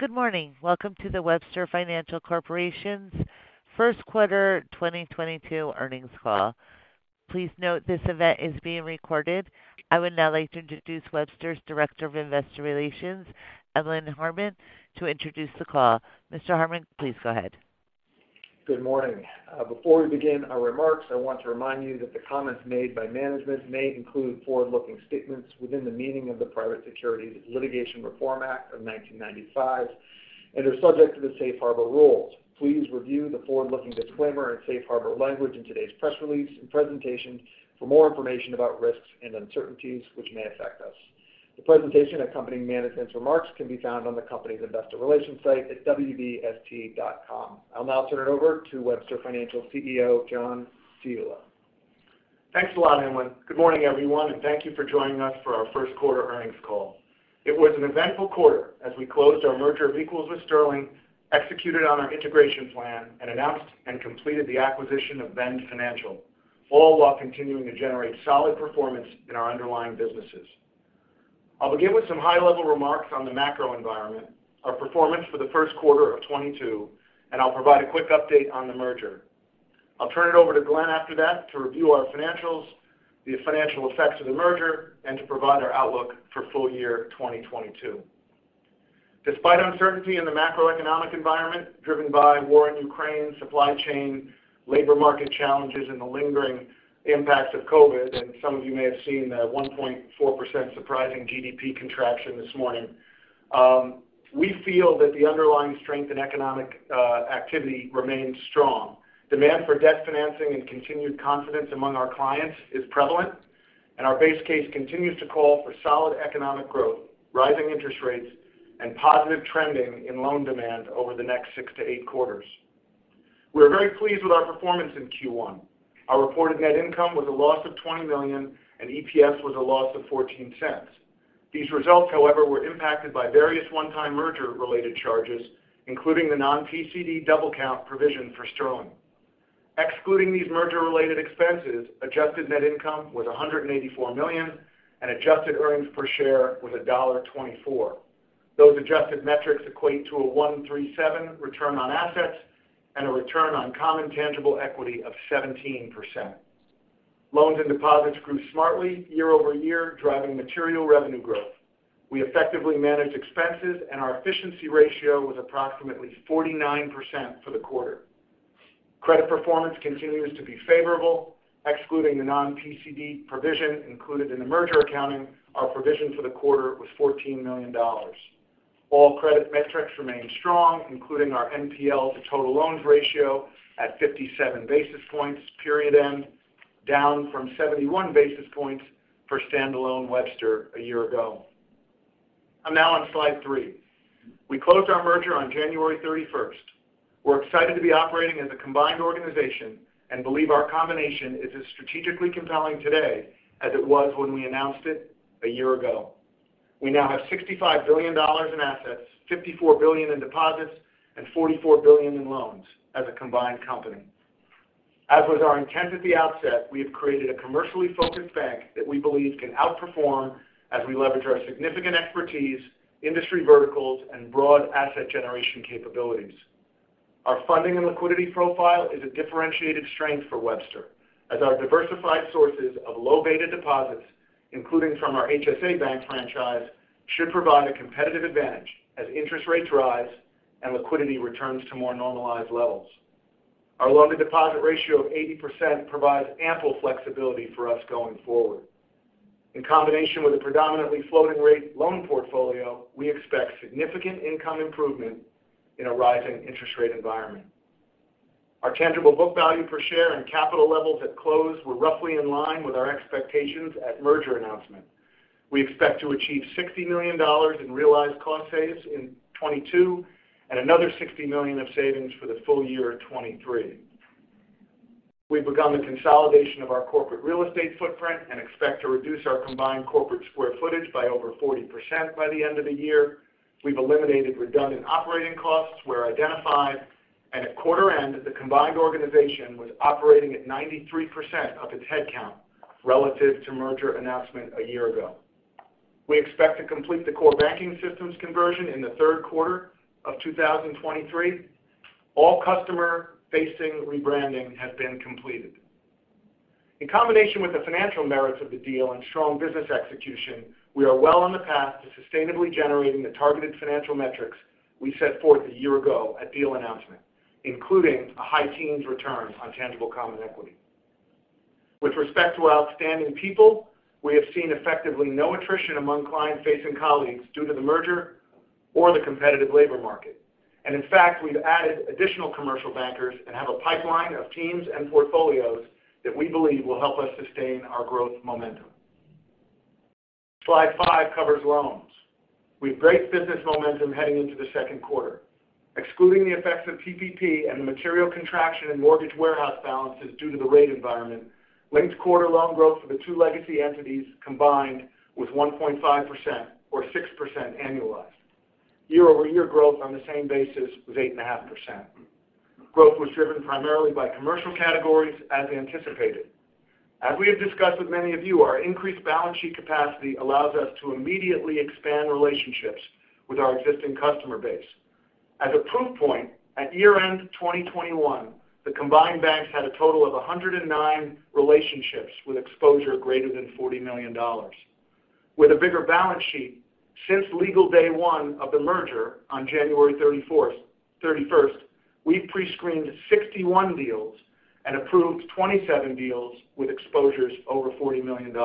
Good morning. Welcome to the Webster Financial Corporation's first quarter 2022 earnings call. Please note this event is being recorded. I would now like to introduce Webster's Director of Investor Relations, Emlen Harmon, to introduce the call. Mr. Harmon, please go ahead. Good morning. Before we begin our remarks, I want to remind you that the comments made by management may include forward-looking statements within the meaning of the Private Securities Litigation Reform Act of 1995 and are subject to the safe harbor rules. Please review the forward-looking disclaimer and safe harbor language in today's press release and presentation for more information about risks and uncertainties which may affect us. The presentation accompanying management's remarks can be found on the company's investor relations site at wbst.com. I'll now turn it over to Webster Financial CEO, John Ciulla. Thanks a lot, Emlen. Good morning, everyone, and thank you for joining us for our first quarter earnings call. It was an eventful quarter as we closed our merger of equals with Sterling Bancorp, executed on our integration plan, and announced and completed the acquisition of Bend Financial, all while continuing to generate solid performance in our underlying businesses. I'll begin with some high-level remarks on the macro environment, our performance for the first quarter of 2022, and I'll provide a quick update on the merger. I'll turn it over to Glenn after that to review our financials, the financial effects of the merger, and to provide our outlook for full year 2022. Despite uncertainty in the macroeconomic environment driven by war in Ukraine, supply chain, labor market challenges, and the lingering impacts of COVID, and some of you may have seen the 1.4% surprising GDP contraction this morning, we feel that the underlying strength in economic, activity remains strong. Demand for debt financing and continued confidence among our clients is prevalent, and our base case continues to call for solid economic growth, rising interest rates, and positive trending in loan demand over the next six to eight quarters. We're very pleased with our performance in Q1. Our reported net income was a loss of $20 million and EPS was a loss of $0.14. These results, however, were impacted by various one-time merger-related charges, including the non-PCD double-count provision for Sterling. Excluding these merger-related expenses, adjusted net income was $184 million and adjusted earnings per share was $1.24. Those adjusted metrics equate to a 1.37% return on assets and a return on common tangible equity of 17%. Loans and deposits grew smartly year-over-year, driving material revenue growth. We effectively managed expenses and our efficiency ratio was approximately 49% for the quarter. Credit performance continues to be favorable. Excluding the non-PCD provision included in the merger accounting, our provision for the quarter was $14 million. All credit metrics remain strong, including our NPL to total loans ratio at 57 basis points period end, down from 71 basis points for standalone Webster a year ago. I'm now on slide three. We closed our merger on January 31st. We're excited to be operating as a combined organization and believe our combination is as strategically compelling today as it was when we announced it a year ago. We now have $65 billion in assets, $54 billion in deposits, and $44 billion in loans as a combined company. As was our intent at the outset, we have created a commercially focused bank that we believe can outperform as we leverage our significant expertise, industry verticals, and broad asset generation capabilities. Our funding and liquidity profile is a differentiated strength for Webster as our diversified sources of low beta deposits, including from our HSA Bank franchise, should provide a competitive advantage as interest rates rise and liquidity returns to more normalized levels. Our loan to deposit ratio of 80% provides ample flexibility for us going forward. In combination with a predominantly floating rate loan portfolio, we expect significant income improvement in a rising interest rate environment. Our tangible book value per share and capital levels at close were roughly in line with our expectations at merger announcement. We expect to achieve $60 million in realized cost saves in 2022 and another $60 million of savings for the full year of 2023. We've begun the consolidation of our corporate real estate footprint and expect to reduce our combined corporate square footage by over 40% by the end of the year. We've eliminated redundant operating costs where identified and at quarter end, the combined organization was operating at 93% of its headcount relative to merger announcement a year ago. We expect to complete the core banking systems conversion in the third quarter of 2023. All customer-facing rebranding has been completed. In combination with the financial merits of the deal and strong business execution, we are well on the path to sustainably generating the targeted financial metrics we set forth a year ago at deal announcement, including a high teens return on tangible common equity. With respect to outstanding people, we have seen effectively no attrition among client-facing colleagues due to the merger or the competitive labor market. In fact, we've added additional commercial bankers and have a pipeline of teams and portfolios that we believe will help us sustain our growth momentum. Slide five covers loans. We have great business momentum heading into the second quarter. Excluding the effects of PPP and the material contraction in mortgage warehouse balances due to the rate environment, linked quarter loan growth for the two legacy entities combined was 1.5% or 6% annualized. Year-over-year growth on the same basis was 8.5%. Growth was driven primarily by commercial categories as anticipated. As we have discussed with many of you, our increased balance sheet capacity allows us to immediately expand relationships with our existing customer base. As a proof point, at year-end 2021, the combined banks had a total of 109 relationships with exposure greater than $40 million. With a bigger balance sheet, since legal day one of the merger on January thirty-first, we prescreened 61 deals and approved 27 deals with exposures over $40 million.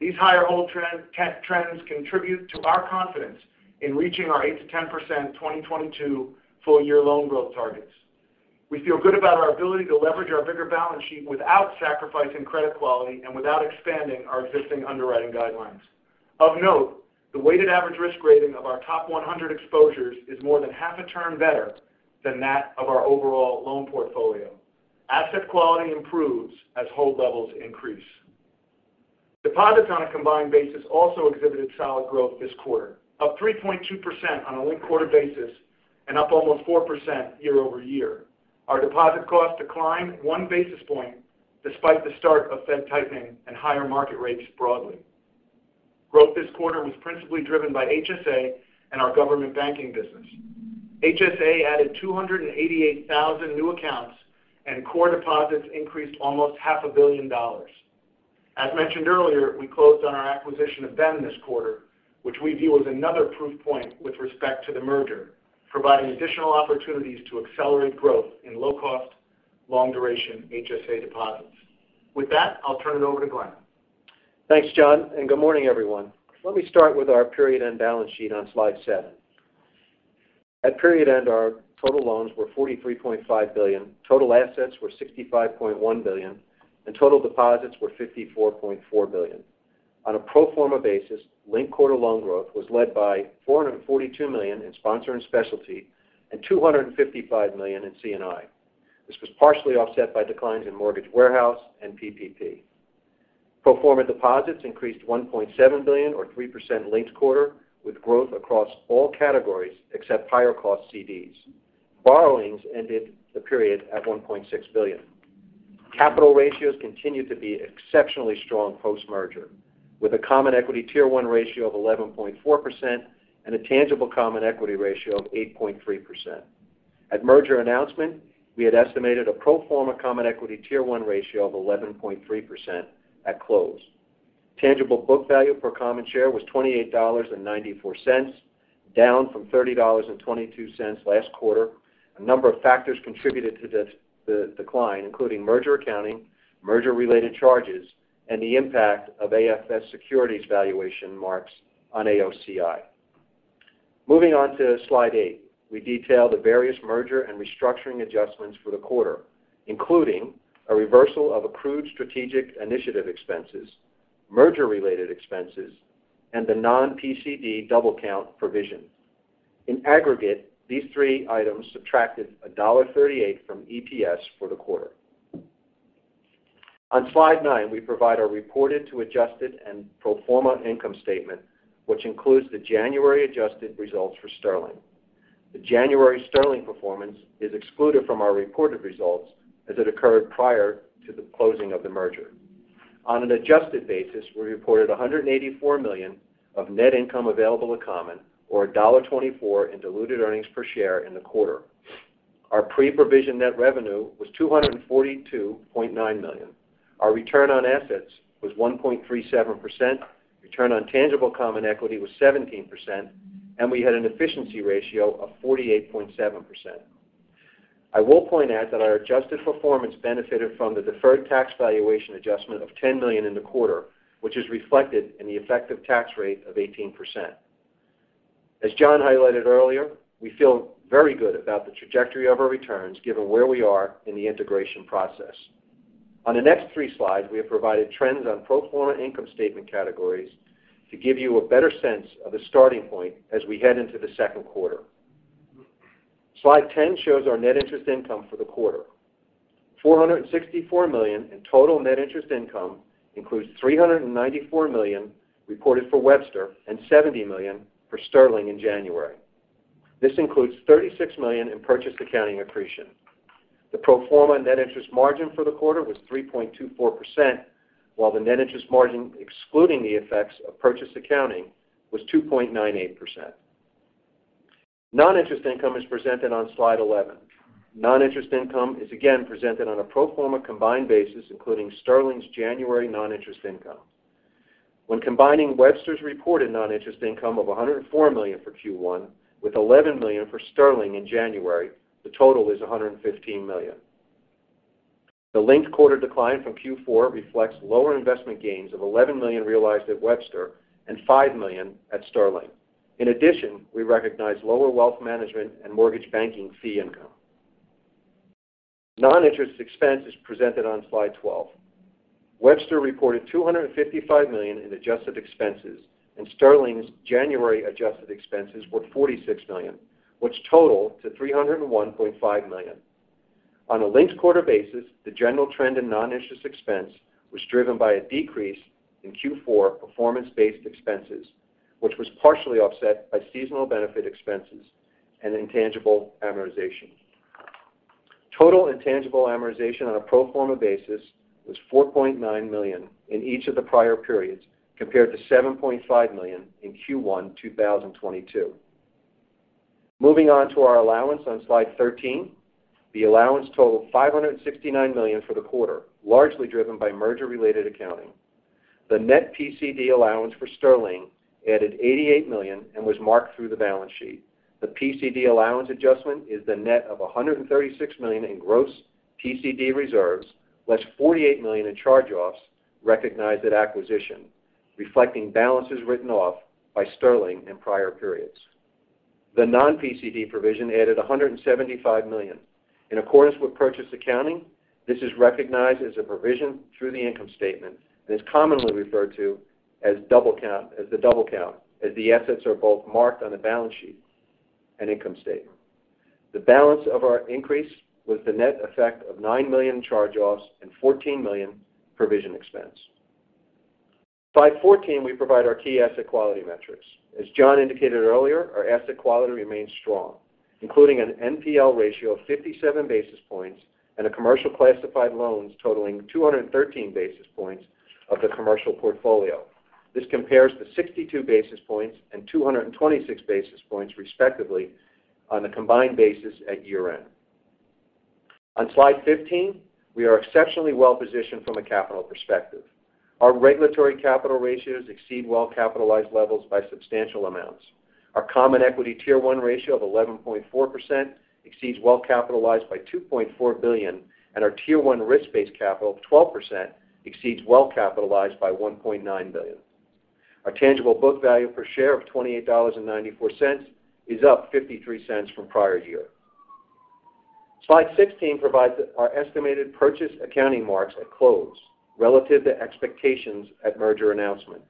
These higher hold trends contribute to our confidence in reaching our 8%-10% 2022 full year loan growth targets. We feel good about our ability to leverage our bigger balance sheet without sacrificing credit quality and without expanding our existing underwriting guidelines. Of note, the weighted average risk rating of our top 100 exposures is more than half a tier better than that of our overall loan portfolio. Asset quality improves as hold levels increase. Deposits on a combined basis also exhibited solid growth this quarter, up 3.2% on a linked quarter basis and up almost 4% year-over-year. Our deposit costs declined one basis point despite the start of Fed tightening and higher market rates broadly. Growth this quarter was principally driven by HSA and our government banking business. HSA added 288,000 new accounts, and core deposits increased almost half a billion dollars. As mentioned earlier, we closed on our acquisition of Bend this quarter, which we view as another proof point with respect to the merger, providing additional opportunities to accelerate growth in low-cost, long-duration HSA deposits. With that, I'll turn it over to Glenn. Thanks, John, and good morning, everyone. Let me start with our period-end balance sheet on slide 7. At period end, our total loans were $43.5 billion, total assets were $65.1 billion, and total deposits were $54.4 billion. On a pro forma basis, linked-quarter loan growth was led by $442 million in Sponsor and Specialty and $255 million in C&I. This was partially offset by declines in mortgage warehouse and PPP. Pro forma deposits increased $1.7 billion or 3% linked quarter with growth across all categories except higher cost CDs. Borrowings ended the period at $1.6 billion. Capital ratios continued to be exceptionally strong post-merger with a Common Equity Tier 1 ratio of 11.4% and a tangible common equity ratio of 8.3%. At merger announcement, we had estimated a pro forma Common Equity Tier 1 ratio of 11.3% at close. Tangible book value per common share was $28.94, down from $30.22 last quarter. A number of factors contributed to this, the decline, including merger accounting, merger-related charges, and the impact of AFS securities valuation marks on AOCI. Moving on to slide eight, we detail the various merger and restructuring adjustments for the quarter, including a reversal of accrued strategic initiative expenses, merger-related expenses, and the non-PCD double count provision. In aggregate, these three items subtracted $1.38 from EPS for the quarter. On slide nine, we provide a reported to adjusted and pro forma income statement, which includes the January adjusted results for Sterling. The January Sterling performance is excluded from our reported results as it occurred prior to the closing of the merger. On an adjusted basis, we reported $184 million of net income available to common or $1.24 in diluted earnings per share in the quarter. Our pre-provision net revenue was $242.9 million. Our return on assets was 1.37%. Return on tangible common equity was 17%, and we had an efficiency ratio of 48.7%. I will point out that our adjusted performance benefited from the deferred tax valuation adjustment of $10 million in the quarter, which is reflected in the effective tax rate of 18%. As John highlighted earlier, we feel very good about the trajectory of our returns, given where we are in the integration process. On the next three slides, we have provided trends on pro forma income statement categories to give you a better sense of the starting point as we head into the second quarter. Slide 10 shows our net interest income for the quarter. $464 million in total net interest income includes $394 million reported for Webster and $70 million for Sterling in January. This includes $36 million in purchase accounting accretion. The pro forma net interest margin for the quarter was 3.24%, while the net interest margin excluding the effects of purchase accounting was 2.98%. Non-interest income is presented on slide 11. Non-interest income is again presented on a pro forma combined basis, including Sterling's January non-interest income. When combining Webster's reported non-interest income of $104 million for Q1 with $11 million for Sterling in January, the total is $115 million. The linked quarter decline from Q4 reflects lower investment gains of $11 million realized at Webster and $5 million at Sterling. In addition, we recognized lower wealth management and mortgage banking fee income. Non-interest expense is presented on slide 12. Webster reported $255 million in adjusted expenses, and Sterling's January adjusted expenses were $46 million, which total to $301.5 million. On a linked quarter basis, the general trend in non-interest expense was driven by a decrease in Q4 performance-based expenses, which was partially offset by seasonal benefit expenses and intangible amortization. Total intangible amortization on a pro forma basis was $4.9 million in each of the prior periods compared to $7.5 million in Q1 2022. Moving on to our allowance on slide 13. The allowance totaled $569 million for the quarter, largely driven by merger-related accounting. The net PCD allowance for Sterling added $88 million and was marked through the balance sheet. The PCD allowance adjustment is the net of $136 million in gross PCD reserves, less $48 million in charge-offs recognized at acquisition, reflecting balances written off by Sterling in prior periods. The non-PCD provision added $175 million. In accordance with purchase accounting, this is recognized as a provision through the income statement and is commonly referred to as double count, as the assets are both marked on the balance sheet and income statement. The balance of our increase was the net effect of $9 million charge-offs and $14 million provision expense. Slide 14, we provide our key asset quality metrics. As John indicated earlier, our asset quality remains strong, including an NPL ratio of 57 basis points and commercial classified loans totaling 213 basis points of the commercial portfolio. This compares to 62 basis points and 226 basis points respectively on a combined basis at year-end. On slide 15, we are exceptionally well positioned from a capital perspective. Our regulatory capital ratios exceed well-capitalized levels by substantial amounts. Our Common Equity Tier 1 ratio of 11.4% exceeds well-capitalized by $2.4 billion, and our Tier 1 risk-based capital of 12% exceeds well-capitalized by $1.9 billion. Our tangible book value per share of $28.94 is up 53 cents from prior year. Slide 16 provides our estimated purchase accounting marks at close relative to expectations at merger announcement.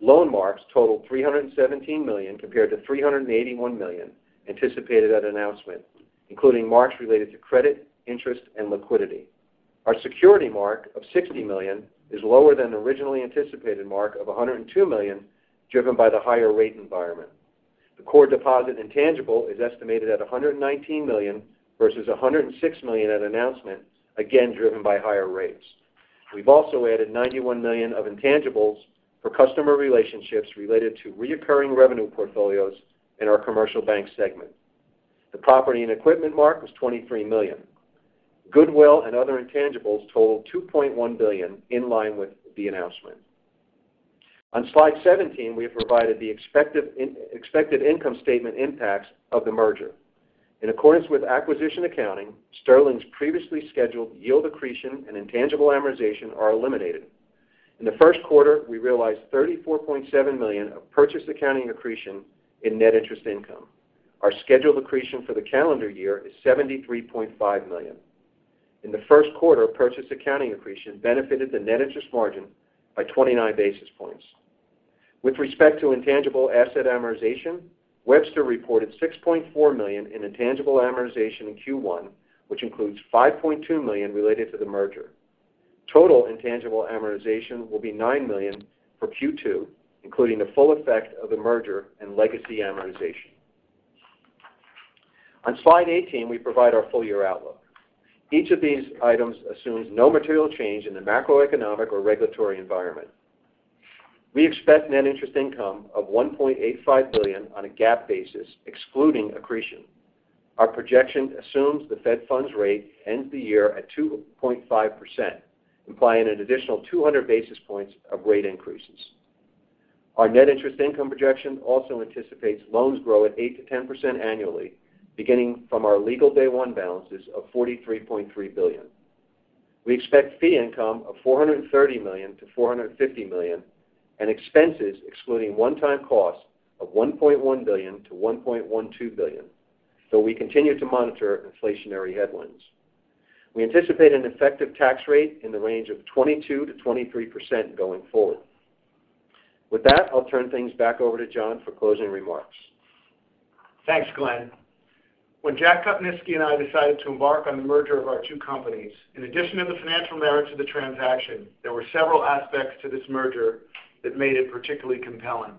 Loan marks totaled $317 million compared to $381 million anticipated at announcement, including marks related to credit, interest, and liquidity. Our security mark of $60 million is lower than originally anticipated mark of $102 million, driven by the higher rate environment. The Core Deposit Intangible is estimated at $119 million versus $106 million at announcement, again driven by higher rates. We've also added $91 million of intangibles for customer relationships related to recurring revenue portfolios in our commercial bank segment. The property and equipment mark was $23 million. Goodwill and other intangibles totaled $2.1 billion in line with the announcement. On slide 17, we have provided the expected income statement impacts of the merger. In accordance with acquisition accounting, Sterling's previously scheduled yield accretion and intangible amortization are eliminated. In the first quarter, we realized $34.7 million of purchase accounting accretion in net interest income. Our scheduled accretion for the calendar year is $73.5 million. In the first quarter, purchase accounting accretion benefited the net interest margin by 29 basis points. With respect to intangible asset amortization, Webster reported $6.4 million in intangible amortization in Q1, which includes $5.2 million related to the merger. Total intangible amortization will be $9 million for Q2, including the full effect of the merger and legacy amortization. On slide 18, we provide our full-year outlook. Each of these items assumes no material change in the macroeconomic or regulatory environment. We expect net interest income of $1.85 billion on a GAAP basis excluding accretion. Our projection assumes the Fed funds rate ends the year at 2.5%, implying an additional 200 basis points of rate increases. Our net interest income projection also anticipates loans grow at 8%-10% annually, beginning from our legal day one balances of $43.3 billion. We expect fee income of $430 million-$450 million, and expenses excluding one-time costs of $1.1 billion-$1.12 billion. We continue to monitor inflationary headwinds. We anticipate an effective tax rate in the range of 22%-23% going forward. With that, I'll turn things back over to John for closing remarks. Thanks, Glenn. When Jack Kopnisky and I decided to embark on the merger of our two companies, in addition to the financial merits of the transaction, there were several aspects to this merger that made it particularly compelling,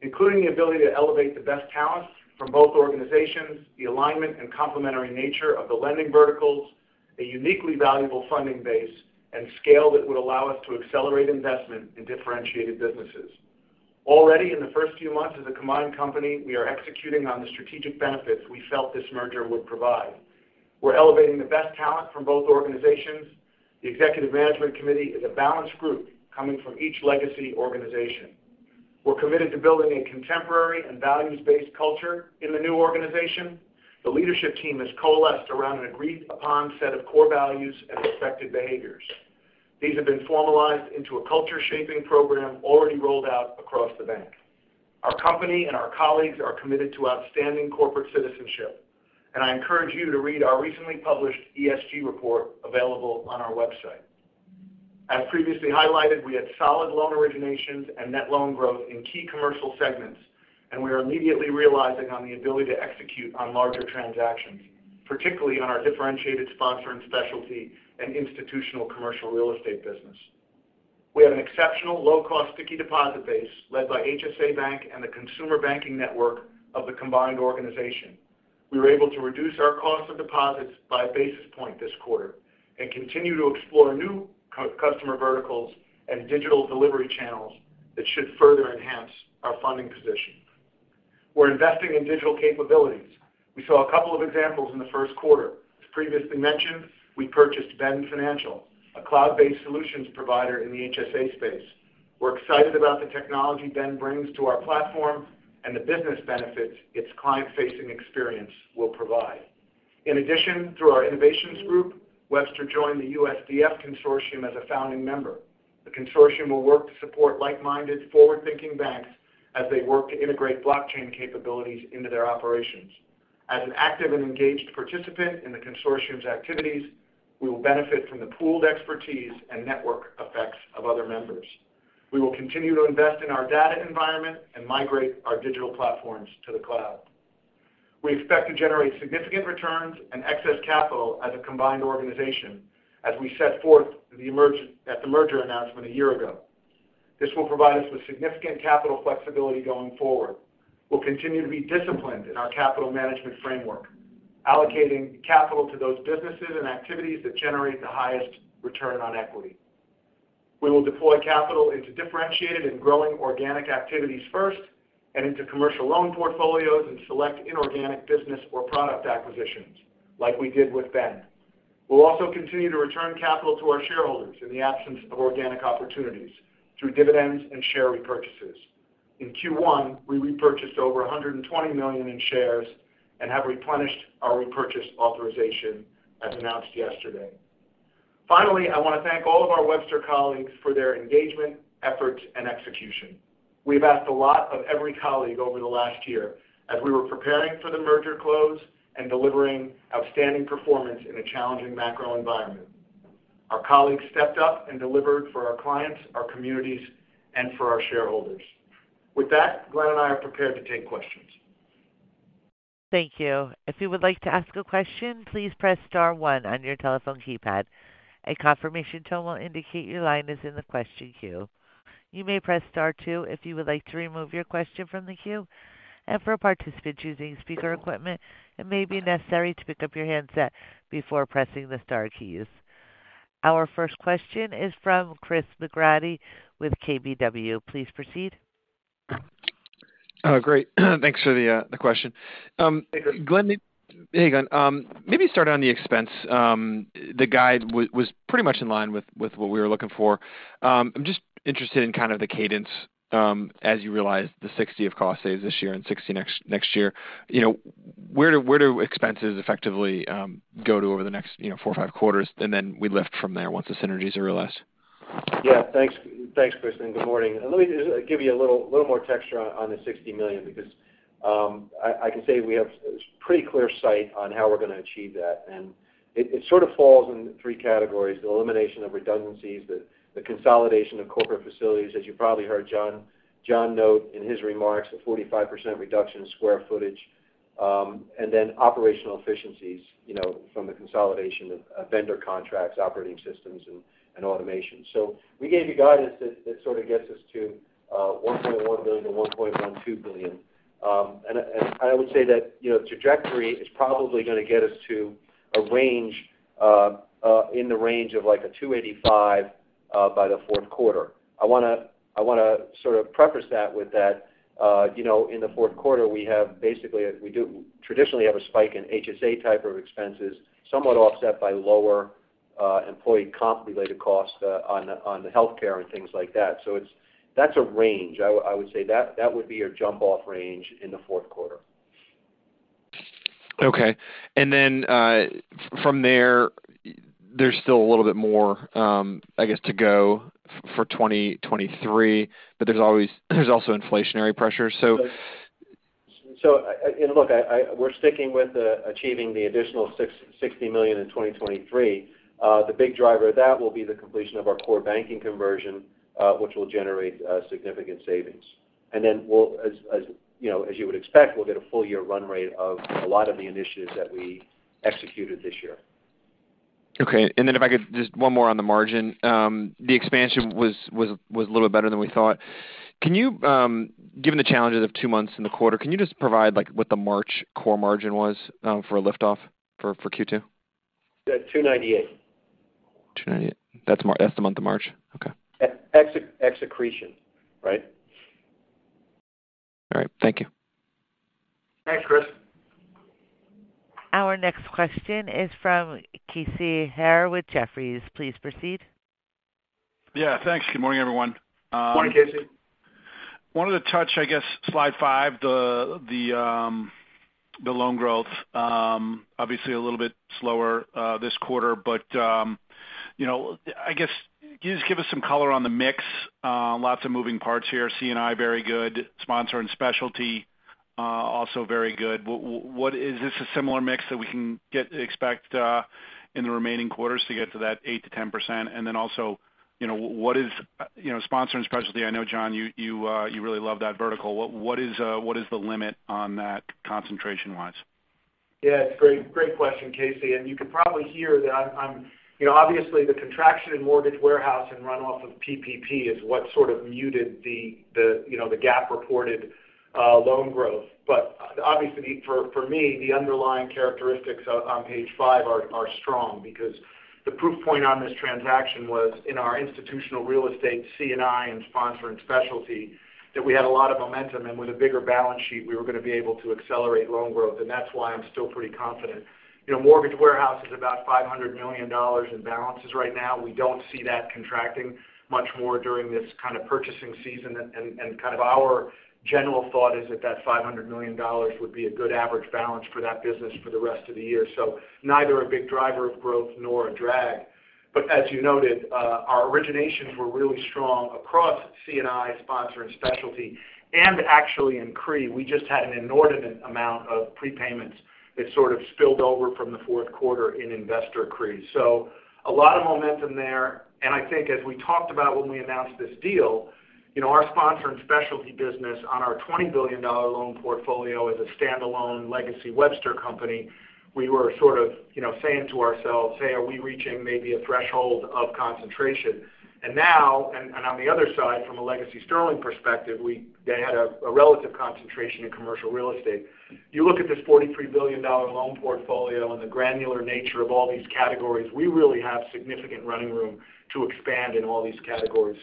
including the ability to elevate the best talents from both organizations, the alignment and complementary nature of the lending verticals, a uniquely valuable funding base, and scale that would allow us to accelerate investment in differentiated businesses. Already in the first few months as a combined company, we are executing on the strategic benefits we felt this merger would provide. We're elevating the best talent from both organizations. The executive management committee is a balanced group coming from each legacy organization. We're committed to building a contemporary and values-based culture in the new organization. The leadership team has coalesced around an agreed-upon set of core values and expected behaviors. These have been formalized into a culture shaping program already rolled out across the bank. Our company and our colleagues are committed to outstanding corporate citizenship, and I encourage you to read our recently published ESG report available on our website. As previously highlighted, we had solid loan originations and net loan growth in key commercial segments, and we are immediately realizing on the ability to execute on larger transactions, particularly on our differentiated Sponsor and Specialty and institutional commercial real estate business. We have an exceptional low-cost sticky deposit base led by HSA Bank and the consumer banking network of the combined organization. We were able to reduce our cost of deposits by a basis point this quarter and continue to explore new customer verticals and digital delivery channels that should further enhance our funding position. We're investing in digital capabilities. We saw a couple of examples in the first quarter. As previously mentioned, we purchased Bend Financial, a cloud-based solutions provider in the HSA space. We're excited about the technology Bend brings to our platform and the business benefits its client-facing experience will provide. In addition, through our innovations group, Webster joined the USDF Consortium as a founding member. The consortium will work to support like-minded, forward-thinking banks as they work to integrate blockchain capabilities into their operations. As an active and engaged participant in the consortium's activities, we will benefit from the pooled expertise and network effects of other members. We will continue to invest in our data environment and migrate our digital platforms to the cloud. We expect to generate significant returns and excess capital as a combined organization as we set forth at the merger announcement a year ago. This will provide us with significant capital flexibility going forward. We'll continue to be disciplined in our capital management framework, allocating capital to those businesses and activities that generate the highest return on equity. We will deploy capital into differentiated and growing organic activities first and into commercial loan portfolios and select inorganic business or product acquisitions like we did with Bend. We'll also continue to return capital to our shareholders in the absence of organic opportunities through dividends and share repurchases. In Q1, we repurchased over $120 million in shares and have replenished our repurchase authorization as announced yesterday. Finally, I want to thank all of our Webster colleagues for their engagement, effort and execution. We've asked a lot of every colleague over the last year as we were preparing for the merger close and delivering outstanding performance in a challenging macro environment. Our colleagues stepped up and delivered for our clients, our communities, and for our shareholders. With that, Glenn and I are prepared to take questions. Thank you. If you would like to ask a question, please press star one on your telephone keypad. A confirmation tone will indicate your line is in the question queue. You may press star two if you would like to remove your question from the queue. For participants using speaker equipment, it may be necessary to pick up your handset before pressing the star keys. Our first question is from Chris McGratty with KBW. Please proceed. Oh, great. Thanks for the question. Glenn, hey, Glenn. Maybe start on the expense. The guidance was pretty much in line with what we were looking for. I'm just interested in kind of the cadence as you realize the $60 million in cost savings this year and $60 million next year. You know, where do expenses effectively go to over the next four or five quarters, and then we lift from there once the synergies are realized? Yeah. Thanks, Chris, and good morning. Let me just give you a little more texture on the $60 million because I can say we have pretty clear sight on how we're going to achieve that. It sort of falls into three categories, the elimination of redundancies, the consolidation of corporate facilities. As you probably heard John note in his remarks, a 45% reduction in square footage, and then operational efficiencies, you know, from the consolidation of vendor contracts, operating systems and automation. We gave you guidance that sort of gets us to $1.1 billion-$1.12 billion. I would say that, you know, trajectory is probably going to get us to a range in the range of like a $285 by the fourth quarter. I want to sort of preface that with that, you know, in the fourth quarter, we have basically we do traditionally have a spike in HSA type of expenses, somewhat offset by lower employee comp related costs on the health care and things like that. It's a range. I would say that would be your jump off range in the fourth quarter. Okay. From there's still a little bit more, I guess, to go for 2023, but there's also inflationary pressure. We're sticking with achieving the additional $660 million in 2023. The big driver of that will be the completion of our core banking conversion, which will generate significant savings. Then, as you know, as you would expect, we'll get a full year run rate of a lot of the initiatives that we executed this year. Okay. If I could just one more on the margin. The expansion was a little better than we thought. Can you, given the challenges of two months in the quarter, just provide like what the March core margin was, for a lift off for Q2? 298. 298. That's the month of March. Okay. Excess accretion, right? All right. Thank you. Thanks, Chris. Our next question is from Casey Haire with Jefferies. Please proceed. Yeah. Thanks. Good morning, everyone. Morning, Casey. Wanted to touch, I guess, slide five, the loan growth, obviously a little bit slower this quarter. You know, I guess, can you just give us some color on the mix? Lots of moving parts here. C&I very good. Sponsor and Specialty also very good. What is this a similar mix that we can expect in the remaining quarters to get to that 8%-10%? Then also, you know, what is Sponsor and Specialty, I know, John, you really love that vertical. What is the limit on that concentration wise? Yeah. It's a great question, Casey Haire. You can probably hear that I'm, you know, obviously, the contraction in mortgage warehouse and runoff of PPP is what sort of muted, you know, the GAAP-reported loan growth. Obviously, for me, the underlying characteristics on page five are strong because the proof point on this transaction was in our institutional real estate C&I and sponsor and specialty that we had a lot of momentum, and with a bigger balance sheet, we were gonna be able to accelerate loan growth. That's why I'm still pretty confident. You know, mortgage warehouse is about $500 million in balances right now. We don't see that contracting much more during this kind of purchasing season. Kind of our general thought is that $500 million would be a good average balance for that business for the rest of the year. Neither a big driver of growth nor a drag. As you noted, our originations were really strong across C&I, Sponsor and Specialty. Actually in CRE, we just had an inordinate amount of prepayments that sort of spilled over from the fourth quarter in investor CRE. A lot of momentum there. I think as we talked about when we announced this deal, you know, our Sponsor and Specialty business on our $20 billion loan portfolio as a standalone legacy Webster company, we were sort of, you know, saying to ourselves, "Hey, are we reaching maybe a threshold of concentration?" Now, and on the other side, from a legacy Sterling perspective, they had a relative concentration in commercial real estate. You look at this $43 billion loan portfolio and the granular nature of all these categories, we really have significant running room to expand in all these categories.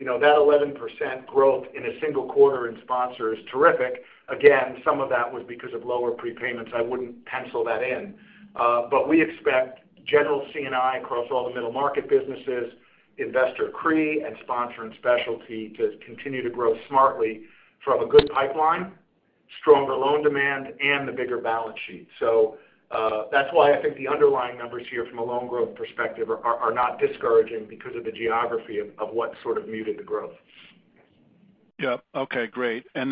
You know, that 11% growth in a single quarter in Sponsor is terrific. Again, some of that was because of lower prepayments. I wouldn't pencil that in. We expect general C&I across all the middle-market businesses, investor CRE, and Sponsor and Specialty to continue to grow smartly from a good pipeline, stronger loan demand, and the bigger balance sheet. That's why I think the underlying numbers here from a loan growth perspective are not discouraging because of the geography of what sort of muted the growth. Yep. Okay, great. On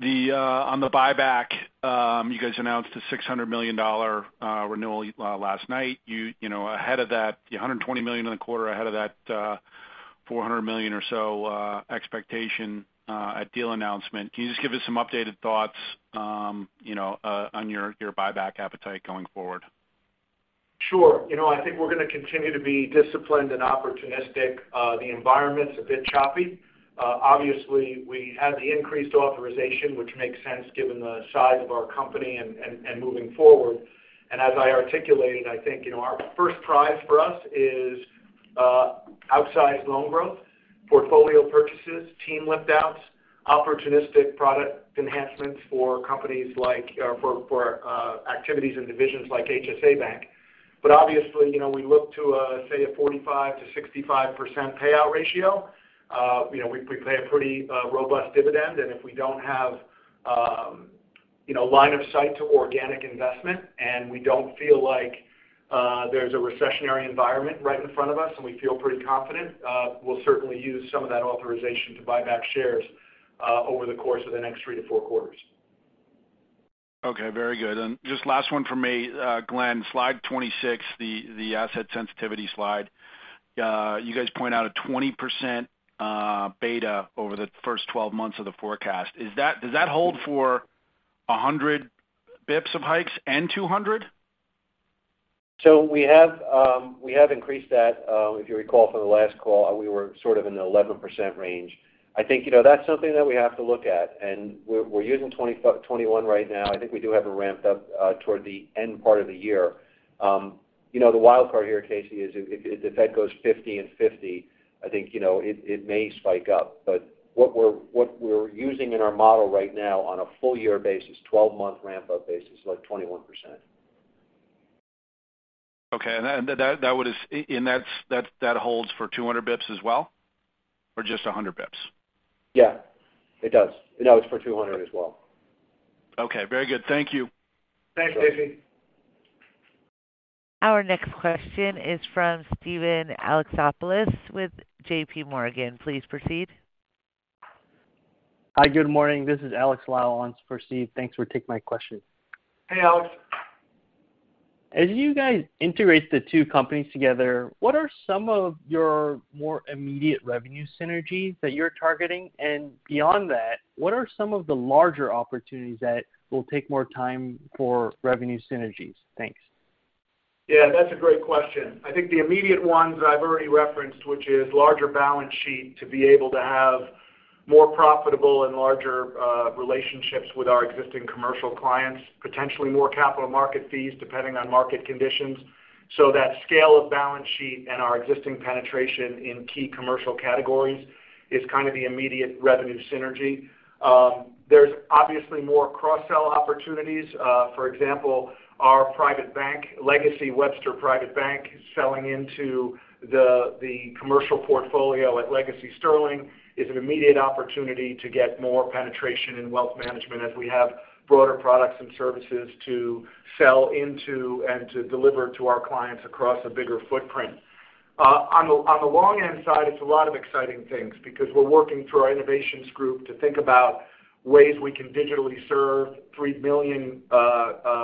the buyback, you guys announced a $600 million renewal last night. You know, ahead of that, the $120 million in the quarter ahead of that, $400 million or so expectation at deal announcement. Can you just give us some updated thoughts, you know, on your buyback appetite going forward? Sure. You know, I think we're gonna continue to be disciplined and opportunistic. The environment's a bit choppy. Obviously, we had the increased authorization, which makes sense given the size of our company and moving forward. As I articulated, I think, you know, our first prize for us is outsized loan growth, portfolio purchases, team lift-outs, opportunistic product enhancements for companies like or for activities and divisions like HSA Bank. Obviously, you know, we look to say a 45%-65% payout ratio. You know, we pay a pretty robust dividend. If we don't have, you know, line of sight to organic investment, and we don't feel like there's a recessionary environment right in front of us, and we feel pretty confident, we'll certainly use some of that authorization to buy back shares over the course of the next three to four quarters. Okay, very good. Just last one from me, Glenn. Slide 26, the asset sensitivity slide. You guys point out a 20% beta over the first 12 months of the forecast. Does that hold for 100 BPS of hikes and 200? We have increased that. If you recall from the last call, we were sort of in the 11% range. I think, you know, that's something that we have to look at. We're using 21 right now. I think we do have it ramped up toward the end part of the year. You know, the wild card here, Casey, is if the Fed goes 50 and 50, I think, you know, it may spike up. What we're using in our model right now on a full year basis, 12-month ramp-up basis is like 21%. Okay. That holds for 200 BPS as well, or just 100 BPS? Yeah. It does. No, it's for 200 as well. Okay. Very good. Thank you. Thanks, Casey. Our next question is from Steven Alexopoulos with JP Morgan. Please proceed. Hi, good morning. This is Alex Blostein. Thanks for taking my question. Hey, Alex. As you guys integrate the two companies together, what are some of your more immediate revenue synergies that you're targeting? And beyond that, what are some of the larger opportunities that will take more time for revenue synergies? Thanks. Yeah, that's a great question. I think the immediate ones that I've already referenced, which is larger balance sheet to be able to have more profitable and larger relationships with our existing commercial clients, potentially more capital market fees, depending on market conditions. That scale of balance sheet and our existing penetration in key commercial categories is kind of the immediate revenue synergy. There's obviously more cross-sell opportunities. For example, our private bank, legacy Webster Private Bank, selling into the commercial portfolio at legacy Sterling is an immediate opportunity to get more penetration in wealth management as we have broader products and services to sell into and to deliver to our clients across a bigger footprint. On the long-end side, it's a lot of exciting things because we're working through our innovations group to think about ways we can digitally serve 3 million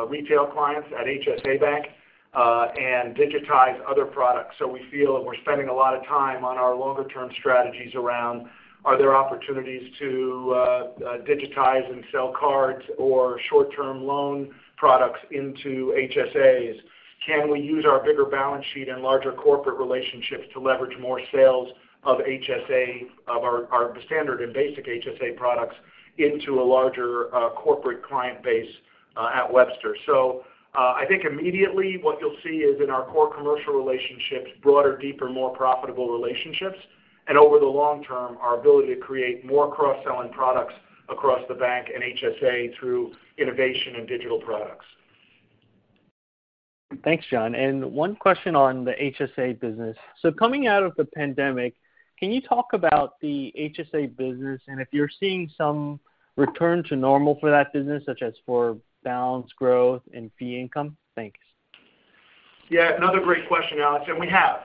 retail clients at HSA Bank and digitize other products. We feel, and we're spending a lot of time on our longer term strategies around are there opportunities to digitize and sell cards or short-term loan products into HSAs. Can we use our bigger balance sheet and larger corporate relationships to leverage more sales of HSA of our standard and basic HSA products into a larger corporate client base at Webster. I think immediately what you'll see is in our core commercial relationships, broader, deeper, more profitable relationships. Over the long term, our ability to create more cross-selling products across the bank and HSA through innovation and digital products. Thanks, John. One question on the HSA business. Coming out of the pandemic, can you talk about the HSA business and if you're seeing some return to normal for that business, such as for balance growth and fee income? Thanks. Yeah, another great question, Alex. We have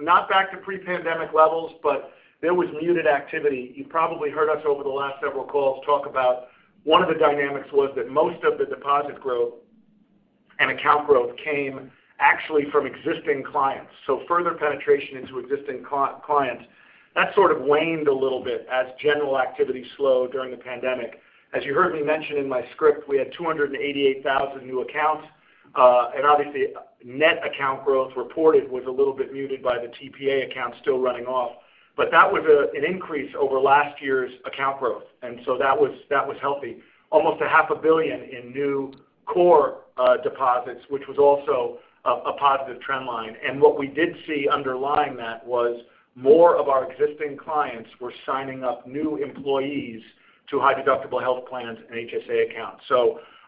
not back to pre-pandemic levels, but there was muted activity. You probably heard us over the last several calls talk about one of the dynamics was that most of the deposit growth and account growth came actually from existing clients. Further penetration into existing clients. That sort of waned a little bit as general activity slowed during the pandemic. As you heard me mention in my script, we had 288,000 new accounts. And obviously, net account growth reported was a little bit muted by the TPA account still running off. That was an increase over last year's account growth. That was healthy. Almost half a billion in new core deposits, which was also a positive trend line. What we did see underlying that was more of our existing clients were signing up new employees to high deductible health plans and HSA accounts.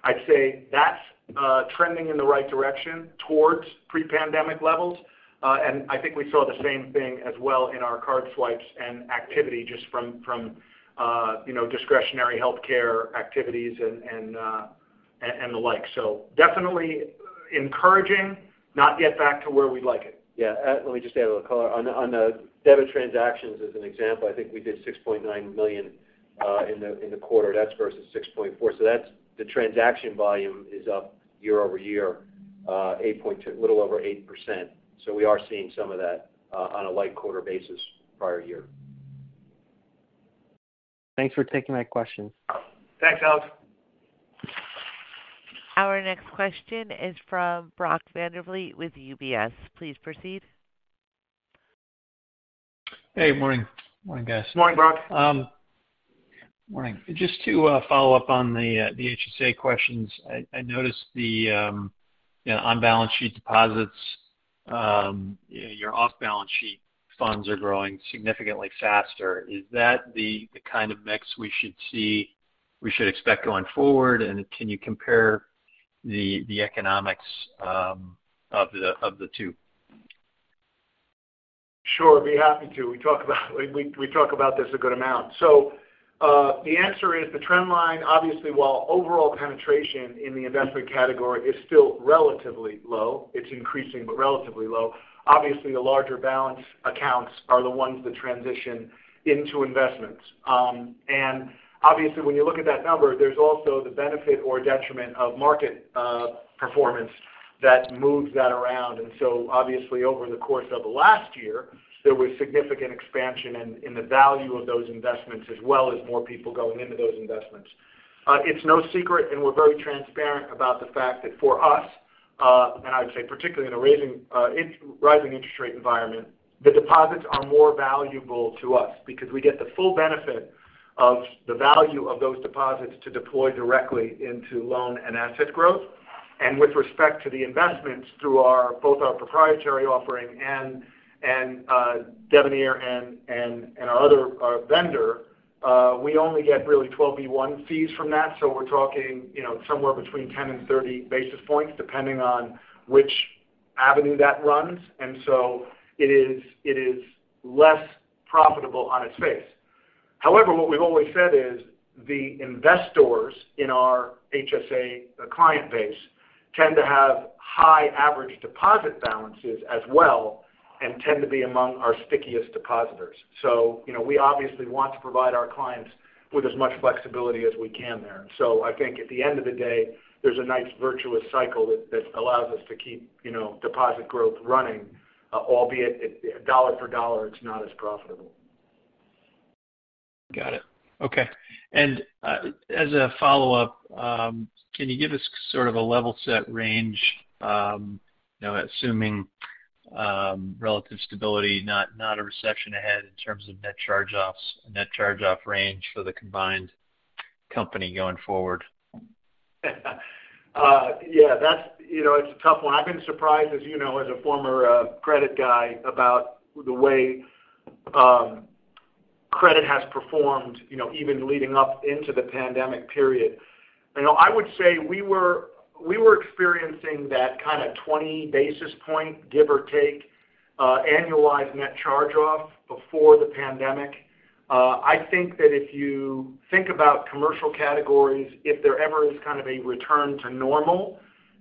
I'd say that's trending in the right direction towards pre-pandemic levels. I think we saw the same thing as well in our card swipes and activity just from you know, discretionary health care activities and the like. Definitely encouraging, not yet back to where we'd like it. Yeah. Let me just add a little color. On the debit transactions, as an example, I think we did 6.9 million in the quarter. That's versus 6.4. The transaction volume is up year-over-year 8.2%, a little over 8%. We are seeing some of that on a like quarter basis prior year. Thanks for taking my questions. Thanks, Alex. Our next question is from Brody Preston with UBS. Please proceed. Hey, morning. Morning, guys. Morning, Brody. Morning. Just to follow up on the HSA questions. I noticed, you know, on balance sheet deposits, you know, your off balance sheet funds are growing significantly faster. Is that the kind of mix we should expect going forward? And can you compare the economics of the two? Sure. Happy to. We talk about this a good amount. The answer is the trend line, obviously, while overall penetration in the investment category is still relatively low, it's increasing but relatively low. Obviously, the larger balance accounts are the ones that transition into investments. Obviously, when you look at that number, there's also the benefit or detriment of market performance that moves that around. Obviously, over the course of last year, there was significant expansion in the value of those investments, as well as more people going into those investments. It's no secret, and we're very transparent about the fact that for us, and I would say particularly in a rising interest rate environment, the deposits are more valuable to us because we get the full benefit of the value of those deposits to deploy directly into loan and asset growth. With respect to the investments through our both our proprietary offering and Devenir and our other vendor, we only get really 12b-1 fees from that. We're talking, you know, somewhere between 10 and 30 basis points, depending on which avenue that runs. It is less profitable on its face. However, what we've always said is the investors in our HSA client base tend to have high average deposit balances as well and tend to be among our stickiest depositors. You know, we obviously want to provide our clients with as much flexibility as we can there. I think at the end of the day, there's a nice virtuous cycle that allows us to keep, you know, deposit growth running, albeit it, dollar for dollar, it's not as profitable. Got it. Okay. As a follow-up, can you give us sort of a level set range, you know, assuming relative stability, not a recession ahead in terms of net charge-offs, net charge-off range for the combined company going forward? Yeah, that's, you know, it's a tough one. I've been surprised, as you know, as a former credit guy about the way credit has performed, you know, even leading up into the pandemic period. You know, I would say we were experiencing that kind of 20 basis point, give or take, annualized net charge-off before the pandemic. I think that if you think about commercial categories, if there ever is kind of a return to normal,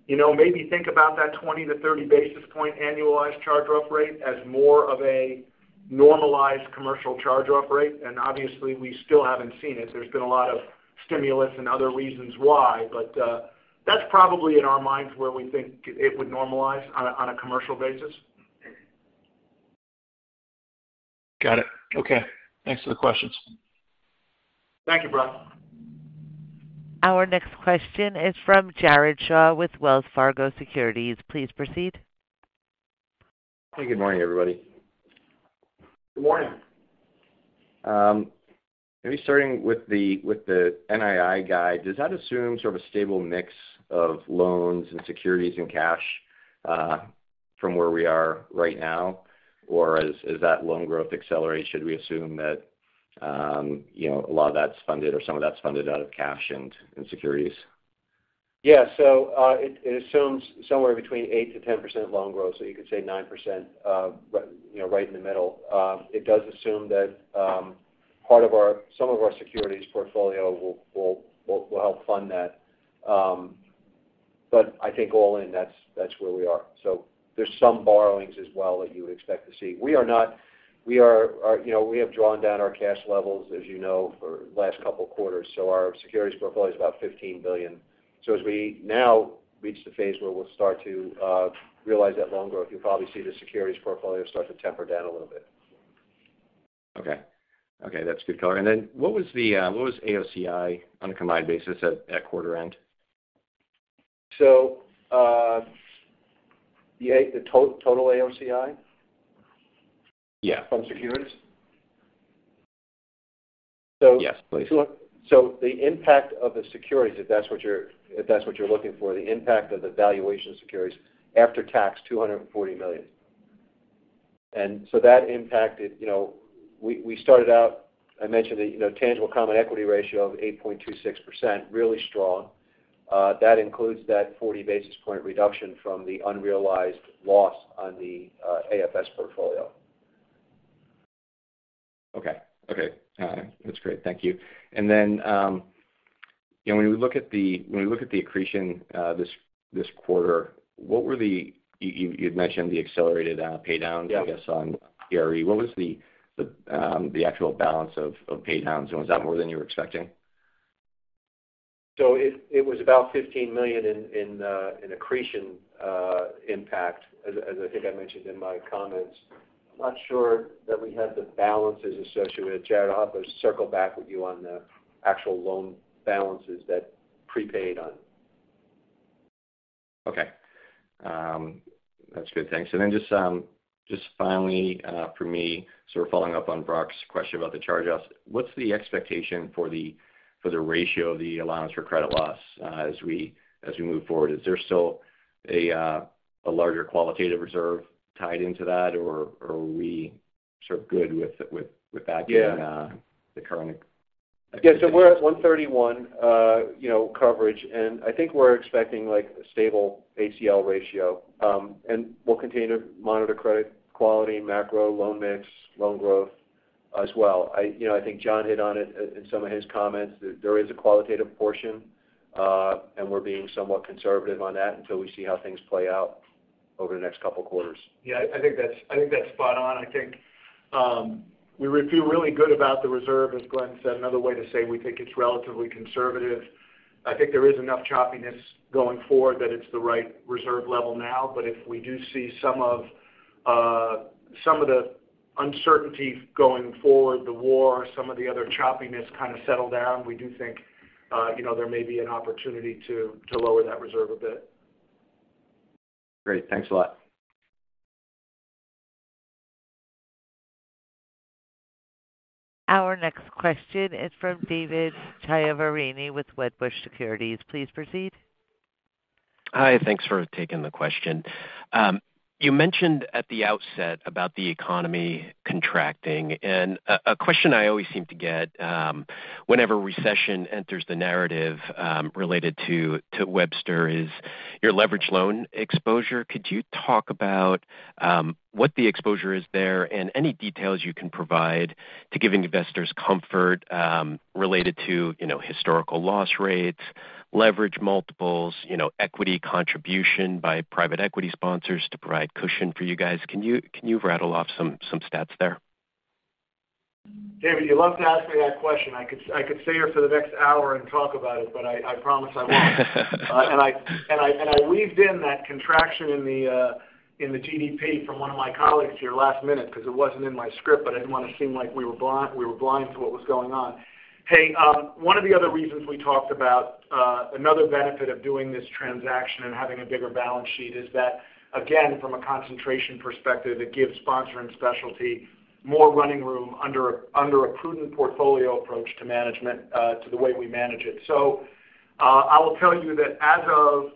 you know, maybe think about that 20 to 30 basis point annualized charge-off rate as more of a normalized commercial charge-off rate. Obviously, we still haven't seen it. There's been a lot of stimulus and other reasons why. That's probably in our minds where we think it would normalize on a commercial basis. Got it. Okay. Thanks for the questions. Thank you, Brody. Our next question is from Jared Shaw with Wells Fargo Securities. Please proceed. Good morning, everybody. Good morning. Maybe starting with the NII guide. Does that assume sort of a stable mix of loans and securities and cash from where we are right now? Or as that loan growth accelerates, should we assume that you know a lot of that's funded or some of that's funded out of cash and securities? It assumes somewhere between 8%-10% loan growth, so you could say 9%, you know, right in the middle. It does assume that some of our securities portfolio will help fund that. But I think all in, that's where we are. There's some borrowings as well that you would expect to see. We have drawn down our cash levels, as you know, for the last couple of quarters, so our securities portfolio is about $15 billion. As we now reach the phase where we'll start to realize that loan growth, you'll probably see the securities portfolio start to temper down a little bit. Okay. Okay, that's good color. What was AOCI on a combined basis at quarter end? The total AOCI? Yeah. From securities? Yes, please. The impact of the securities, if that's what you're looking for, the impact of the valuation of securities after tax, $240 million. That impacted. We started out, I mentioned the tangible common equity ratio of 8.26%, really strong. That includes that 40 basis point reduction from the unrealized loss on the AFS portfolio. Okay. All right. That's great. Thank you. You know, when we look at the accretion, this quarter, what were the. You'd mentioned the accelerated pay downs. Yeah. I guess, on CRE. What was the actual balance of pay downs, and was that more than you were expecting? It was about $15 million in accretion impact, as I think I mentioned in my comments. I'm not sure that we have the balances associated. Jared, I'll have to circle back with you on the actual loan balances that prepaid on. Okay. That's good. Thanks. Then just finally, for me, sort of following up on Brody's question about the charge-offs, what's the expectation for the ratio of the allowance for credit loss as we move forward? Is there still a larger qualitative reserve tied into that, or are we sort of good with that given- Yeah. the current expectations? Yeah, we're at 131, you know, coverage, and I think we're expecting, like, a stable ACL ratio. We'll continue to monitor credit quality, macro, loan mix, loan growth as well. You know, I think John hit on it in some of his comments that there is a qualitative portion, and we're being somewhat conservative on that until we see how things play out over the next couple quarters. Yeah, I think that's spot on. I think we feel really good about the reserve. As Glenn said, another way to say we think it's relatively conservative. I think there is enough choppiness going forward that it's the right reserve level now. If we do see some of the uncertainty going forward, the war, some of the other choppiness kind of settle down, we do think you know there may be an opportunity to lower that reserve a bit. Great. Thanks a lot. Our next question is from David Chiaverini with Wedbush Securities. Please proceed. Hi. Thanks for taking the question. You mentioned at the outset about the economy contracting. A question I always seem to get, whenever recession enters the narrative, related to Webster is your leverage loan exposure. Could you talk about what the exposure is there and any details you can provide to giving investors comfort, related to, you know, historical loss rates, leverage multiples, you know, equity contribution by private equity sponsors to provide cushion for you guys? Can you rattle off some stats there? David Chiaverini, you love to ask me that question. I could stay here for the next hour and talk about it, but I promise I won't. I weaved in that contraction in the GDP from one of my colleagues here last minute because it wasn't in my script, but I didn't want to seem like we were blind to what was going on. Hey, one of the other reasons we talked about, another benefit of doing this transaction and having a bigger balance sheet is that, again, from a concentration perspective, it gives Sponsor and Specialty more running room under a prudent portfolio approach to management, to the way we manage it. I will tell you that as of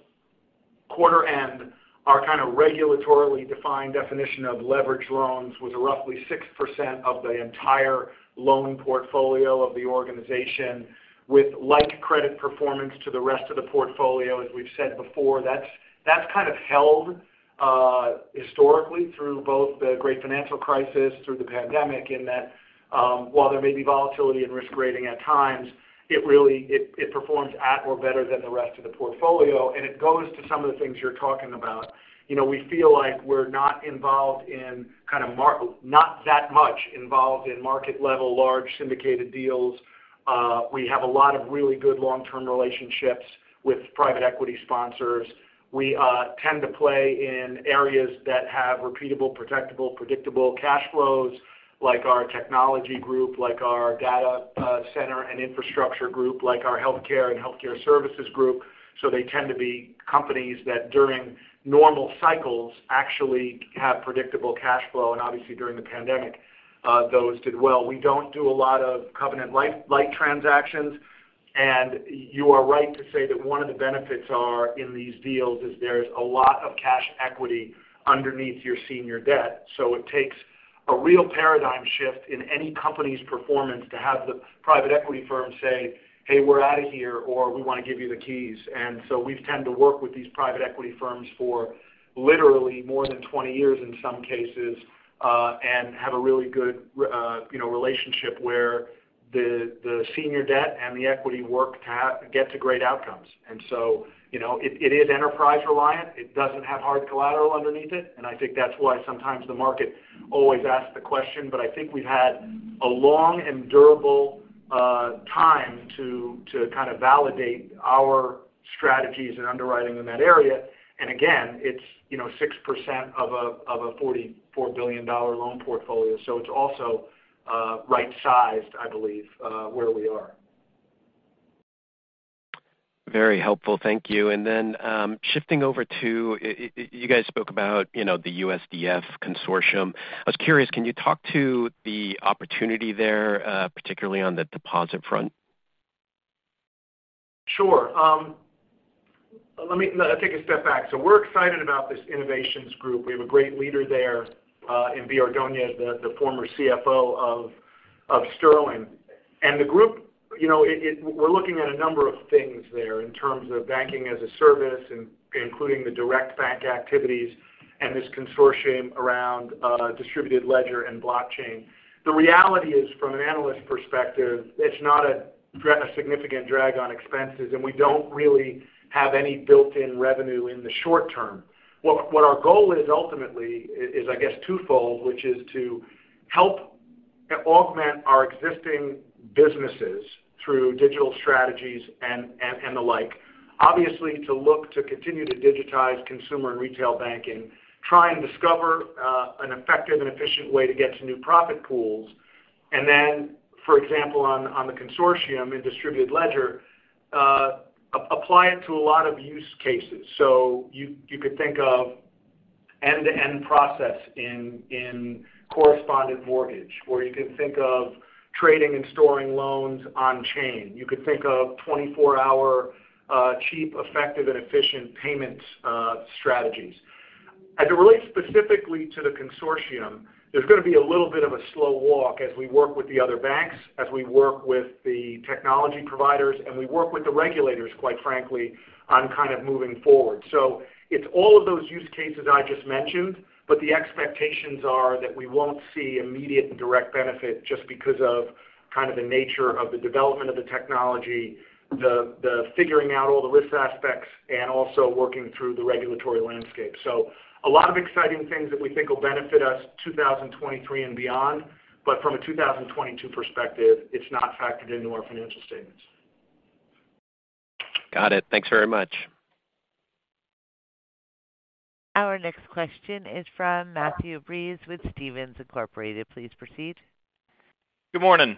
quarter end, our kind of regulatorily defined definition of leverage loans was roughly 6% of the entire loan portfolio of the organization with like credit performance to the rest of the portfolio. As we've said before, that's kind of held historically through both the Great Financial Crisis, through the pandemic, in that while there may be volatility and risk rating at times, it really it performs at or better than the rest of the portfolio. It goes to some of the things you're talking about. You know, we feel like we're not involved in kind of not that much involved in market-level large syndicated deals. We have a lot of really good long-term relationships with private equity sponsors. We tend to play in areas that have repeatable, protectable, predictable cash flows, like our technology group, like our data center and infrastructure group, like our healthcare and healthcare services group. They tend to be companies that during normal cycles actually have predictable cash flow, and obviously, during the pandemic, those did well. We don't do a lot of covenant light transactions. You are right to say that one of the benefits are in these deals is there's a lot of cash equity underneath your senior debt. It takes a real paradigm shift in any company's performance to have the private equity firm say, "Hey, we're out of here," or, "We want to give you the keys." We tend to work with these private equity firms for literally more than 20 years in some cases, and have a really good you know, relationship where the senior debt and the equity work to get to great outcomes. You know, it is enterprise reliant. It doesn't have hard collateral underneath it, and I think that's why sometimes the market always asks the question. I think we've had a long and durable time to kind of validate our strategies and underwriting in that area. Again, it's you know, 6% of a $44 billion loan portfolio. It's also right-sized, I believe, where we are. Very helpful. Thank you. Shifting over to you guys spoke about, you know, the USDF Consortium. I was curious, can you talk to the opportunity there, particularly on the deposit front? Sure. Let me take a step back. We're excited about this innovations group. We have a great leader there in Bea Ordonez, the former CFO of Sterling. The group, you know, we're looking at a number of things there in terms of banking as a service, including the direct bank activities and this consortium around distributed ledger and blockchain. The reality is, from an analyst perspective, it's not a significant drag on expenses, and we don't really have any built-in revenue in the short term. What our goal is ultimately is, I guess, twofold, which is to help augment our existing businesses through digital strategies and the like. Obviously, to look to continue to digitize consumer and retail banking, try and discover an effective and efficient way to get to new profit pools. For example, on the USDF Consortium and distributed ledger, apply it to a lot of use cases. You could think of end-to-end process in correspondent mortgage, or you could think of trading and storing loans on chain. You could think of 24-hour cheap, effective and efficient payment strategies. To relate specifically to the USDF Consortium, there's gonna be a little bit of a slow walk as we work with the other banks, as we work with the technology providers, and we work with the regulators, quite frankly, on kind of moving forward. It's all of those use cases I just mentioned, but the expectations are that we won't see immediate and direct benefit just because of kind of the nature of the development of the technology, the figuring out all the risk aspects and also working through the regulatory landscape. A lot of exciting things that we think will benefit us 2023 and beyond. From a 2022 perspective, it's not factored into our financial statements. Got it. Thanks very much. Our next question is from Matthew Breese with Stephens Inc. Please proceed. Good morning.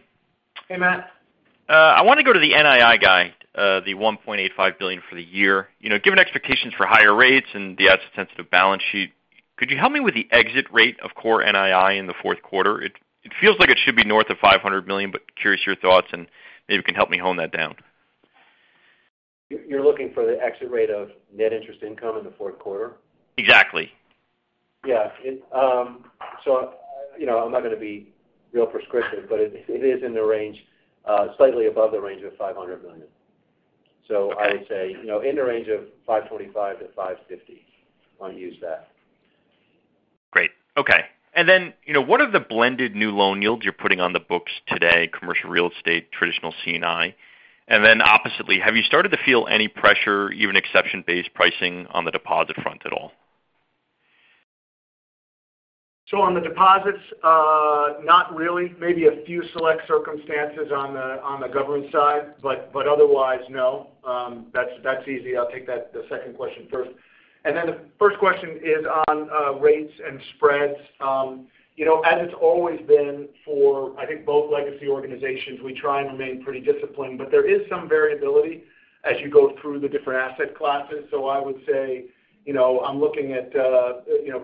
Hey, Matt. I want to go to the NII guide, the $1.85 billion for the year. You know, given expectations for higher rates and the asset sensitive balance sheet, could you help me with the exit rate of core NII in the fourth quarter? It feels like it should be north of $500 million, but curious your thoughts and maybe you can help me hone that down. You're looking for the exit rate of net interest income in the fourth quarter? Exactly. I'm not going to be real prescriptive, but it is in the range, slightly above the range of $500 million. I would say, you know, in the range of $525 million-$550 million. I'll use that. Great. Okay. You know, what are the blended new loan yields you're putting on the books today, commercial real estate, traditional C&I? Oppositely, have you started to feel any pressure, even exception-based pricing on the deposit front at all? On the deposits, not really. Maybe a few select circumstances on the government side, but otherwise, no. That's easy. I'll take that, the second question first. Then the first question is on rates and spreads. You know, as it's always been for, I think, both legacy organizations, we try and remain pretty disciplined. But there is some variability as you go through the different asset classes. You know, I'm looking at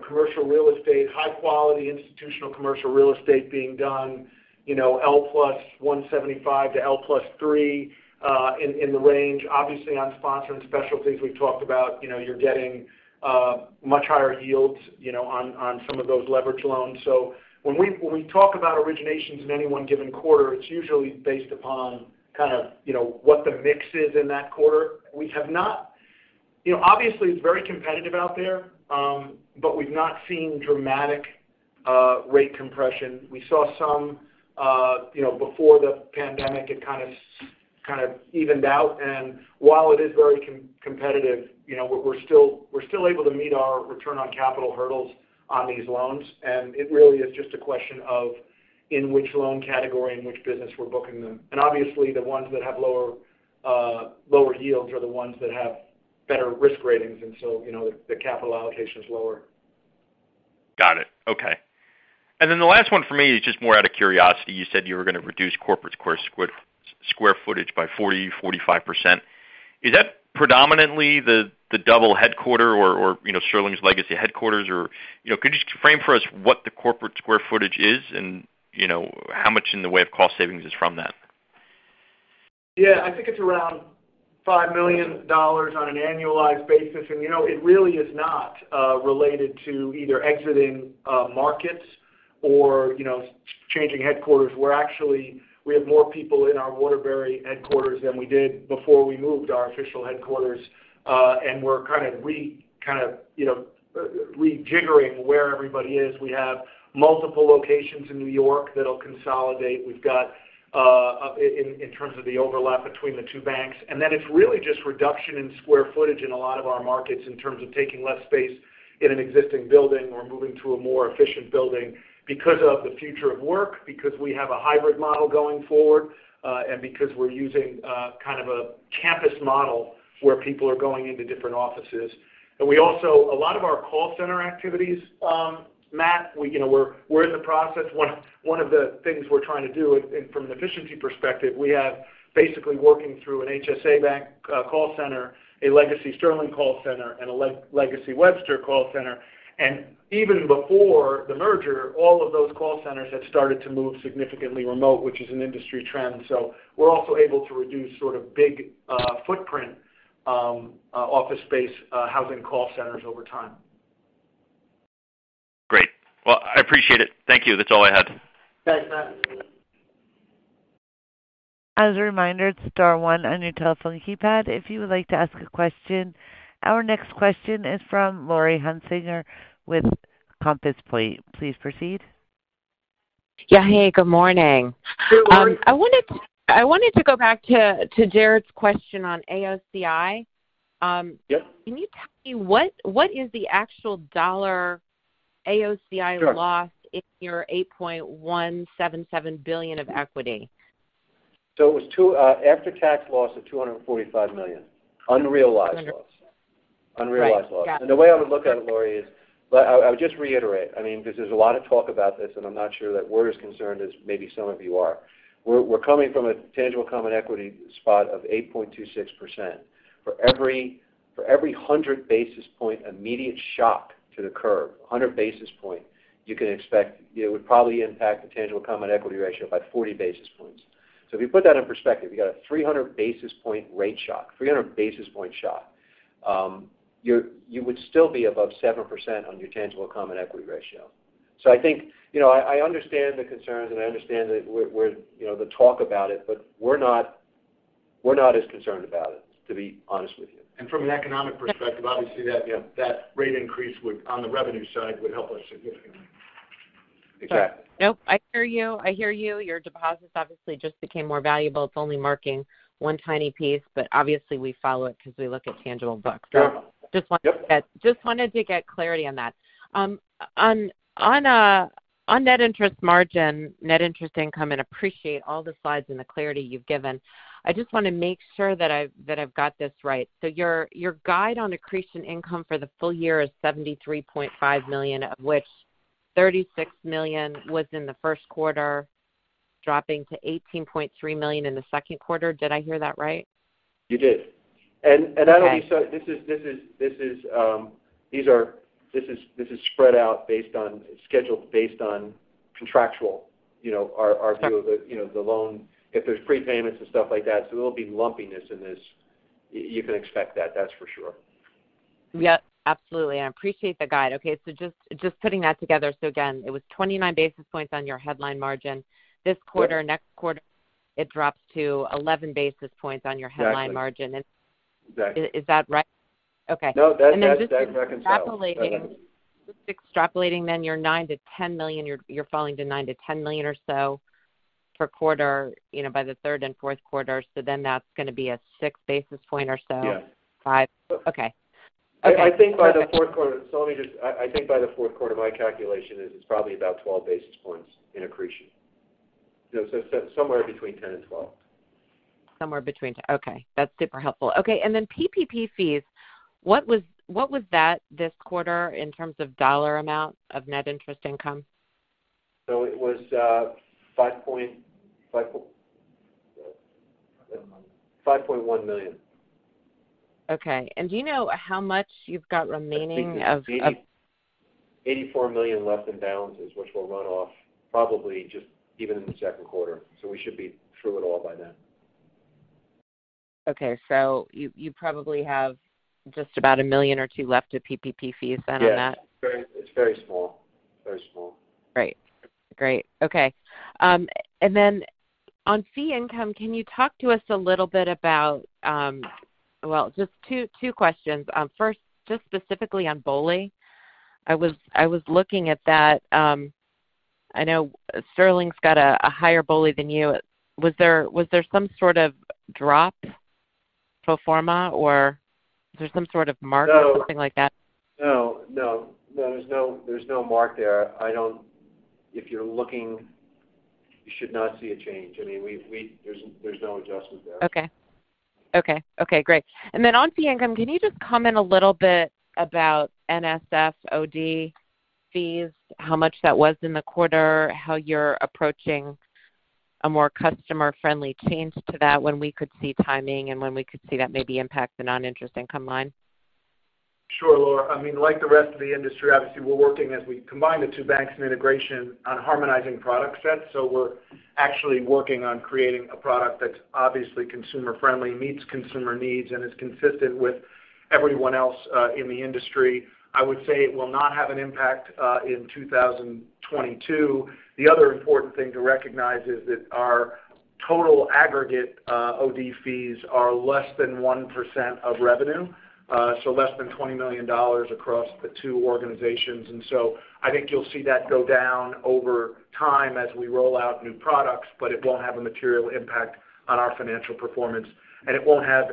commercial real estate, high quality institutional commercial real estate being done, you know, L plus 175 to L plus 3 in the range. Obviously, on sponsor and specialty things we've talked about, you know, you're getting much higher yields, you know, on some of those leveraged loans. When we talk about originations in any one given quarter, it's usually based upon kind of, you know, what the mix is in that quarter. We have not. You know, obviously, it's very competitive out there, but we've not seen dramatic rate compression. We saw some, you know, before the pandemic, it kind of evened out. While it is very competitive, you know, we're still able to meet our return on capital hurdles on these loans. It really is just a question of in which loan category, in which business we're booking them. Obviously, the ones that have lower yields are the ones that have better risk ratings. You know, the capital allocation is lower. Got it. Okay. Then the last one for me is just more out of curiosity. You said you were going to reduce corporate square footage by 40%-45%. Is that predominantly the dual headquarters or, you know, Sterling's legacy headquarters? Or, you know, could you just frame for us what the corporate square footage is and, you know, how much in the way of cost savings is from that? Yeah. I think it's around $5 million on an annualized basis. You know, it really is not related to either exiting markets or, you know, changing headquarters. We actually have more people in our Waterbury headquarters than we did before we moved our official headquarters. We're kind of, you know, rejiggering where everybody is. We have multiple locations in New York that'll consolidate. We've got in terms of the overlap between the two banks. It's really just reduction in square footage in a lot of our markets in terms of taking less space in an existing building or moving to a more efficient building because of the future of work, because we have a hybrid model going forward, and because we're using kind of a campus model where people are going into different offices. We also, a lot of our call center activities, Matt, you know, we're in the process. One of the things we're trying to do and from an efficiency perspective, we have basically working through an HSA Bank call center, a legacy Sterling call center, and a legacy Webster call center. Even before the merger, all of those call centers had started to move significantly remote, which is an industry trend. We're also able to reduce sort of big footprint, office space, housing call centers over time. Great. Well, I appreciate it. Thank you. That's all I had. Thanks, Matt. As a reminder, star one on your telephone keypad if you would like to ask a question. Our next question is from Laurie Hunsicker with Compass Point. Please proceed. Yeah. Hey, good morning. Hey, Laurie. I wanted to go back to Jared's question on AOCI. Yes. Can you tell me what is the actual dollar AOCI? Sure Loss in your $8.177 billion of equity? It was after-tax loss of $245 million. Unrealized loss. Understood. Unrealized loss. Right. Yeah. The way I would look at it, Laurie, is but I would just reiterate, I mean, because there's a lot of talk about this, and I'm not sure that we're as concerned as maybe some of you are. We're coming from a tangible common equity spot of 8.26%. For every 100 basis point immediate shock to the curve, 100 basis points, you can expect it would probably impact the tangible common equity ratio by 40 basis points. So if you put that in perspective, you've got a 300 basis point rate shock, 300 basis point shock. You would still be above 7% on your tangible common equity ratio. I think, you know, I understand the concerns, and I understand that we're, you know, the talk about it, but we're not as concerned about it, to be honest with you. From an economic perspective, obviously that, you know, that rate increase would, on the revenue side, help us significantly. Exactly. Nope. I hear you. I hear you. Your deposits obviously just became more valuable. It's only marking one tiny piece, but obviously we follow it because we look at tangible books. Sure. Yep. Just wanted to get clarity on that. On net interest margin, net interest income, and appreciate all the slides and the clarity you've given, I just want to make sure that I've got this right. Your guide on accretion income for the full year is $73.5 million, of which $36 million was in the first quarter, dropping to $18.3 million in the second quarter. Did I hear that right? You did. Okay. I don't think so. This is spread out based on scheduled, based on contractual, you know, our view of the, you know, the loan. If there's prepayments and stuff like that. There will be lumpiness in this. You can expect that's for sure. Yeah. Absolutely. I appreciate the guide. Okay. Just putting that together. Again, it was 29 basis points on your headline margin. Yes. This quarter, next quarter, it drops to 11 basis points on your headline margin. Exactly. Is that right? Okay. No, that reconciles. That does. Just extrapolating then your $9-$10 million, you're falling to $9-$10 million or so per quarter, you know, by the third and fourth quarter. That's going to be a six basis points or so. Yeah. 5. Okay. Okay. Perfect. I think by the fourth quarter, my calculation is it's probably about 12 basis points in accretion. Somewhere between 10 and 12. Somewhere between 10. Okay. That's super helpful. Okay. PPP fees. What was that this quarter in terms of dollar amount of net interest income? It was 5 point. 5.1. $5.1 million. Okay. Do you know how much you've got remaining of? I think there's $84 million left in balances, which will run off probably just even in the second quarter. We should be through it all by then. Okay. You probably have just about $1 million or $2 million left of PPP fees then on that? Yeah. Very, it's very small. Very small. Great. Okay. On fee income, can you talk to us a little bit about. Well, just two questions. First, just specifically on BOLI. I was looking at that. I know Sterling's got a higher BOLI than you. Was there some sort of drop pro forma, or was there some sort of mark or something like that? No, there's no mark there. If you're looking, you should not see a change. I mean, we, there's no adjustment there. Okay, great. On fee income, can you just comment a little bit about NSF OD? Fees, how much that was in the quarter, how you're approaching a more customer-friendly change to that, when we could see timing and when we could see that maybe impact the non-interest income line. Sure, Laurie. I mean, like the rest of the industry, obviously, we're working as we combine the two banks and integration on harmonizing product sets. We're actually working on creating a product that's obviously consumer-friendly, meets consumer needs, and is consistent with everyone else in the industry. I would say it will not have an impact in 2022. The other important thing to recognize is that our total aggregate OD fees are less than 1% of revenue, so less than $20 million across the two organizations. I think you'll see that go down over time as we roll out new products, but it won't have a material impact on our financial performance. It won't have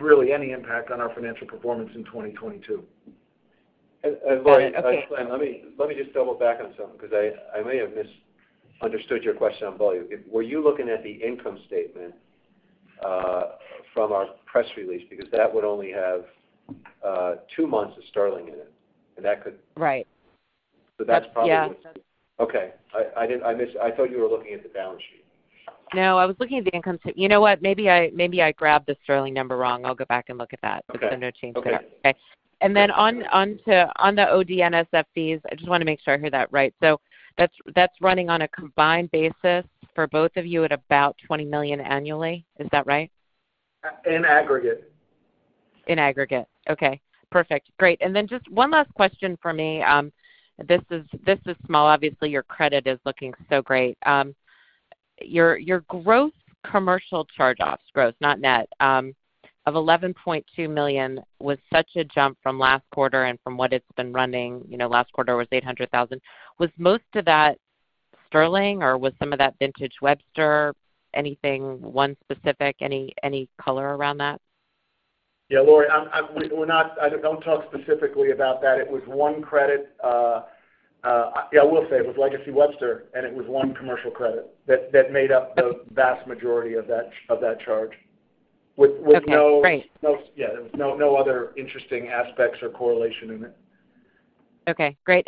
really any impact on our financial performance in 2022. Laurie- Okay. Sorry. Let me just double back on something because I may have misunderstood your question on volume. Were you looking at the income statement from our press release? Because that would only have two months of Sterling in it. Right. Yeah. Okay. I thought you were looking at the balance sheet. No, I was looking at the income statement. You know what? Maybe I grabbed the Sterling number wrong. I'll go back and look at that. Okay. Because no change there. Okay. Okay. On the OD NSF fees, I just wanna make sure I hear that right. So that's running on a combined basis for both of you at about $20 million annually. Is that right? In aggregate. Okay, perfect. Great. Then just one last question for me. This is small. Obviously, your credit is looking so great. Your growth commercial charge-offs, growth, not net, of $11.2 million was such a jump from last quarter and from what it's been running. You know, last quarter was $800,000. Was most of that Sterling or was some of that vintage Webster? Anything, one specific, any color around that? Yeah, Laurie, I don't talk specifically about that. It was one credit. Yeah, I will say it was Legacy Webster, and it was one commercial credit that made up the vast majority of that charge. Okay, great. With no, yeah, there was no other interesting aspects or correlation in it. Okay, great.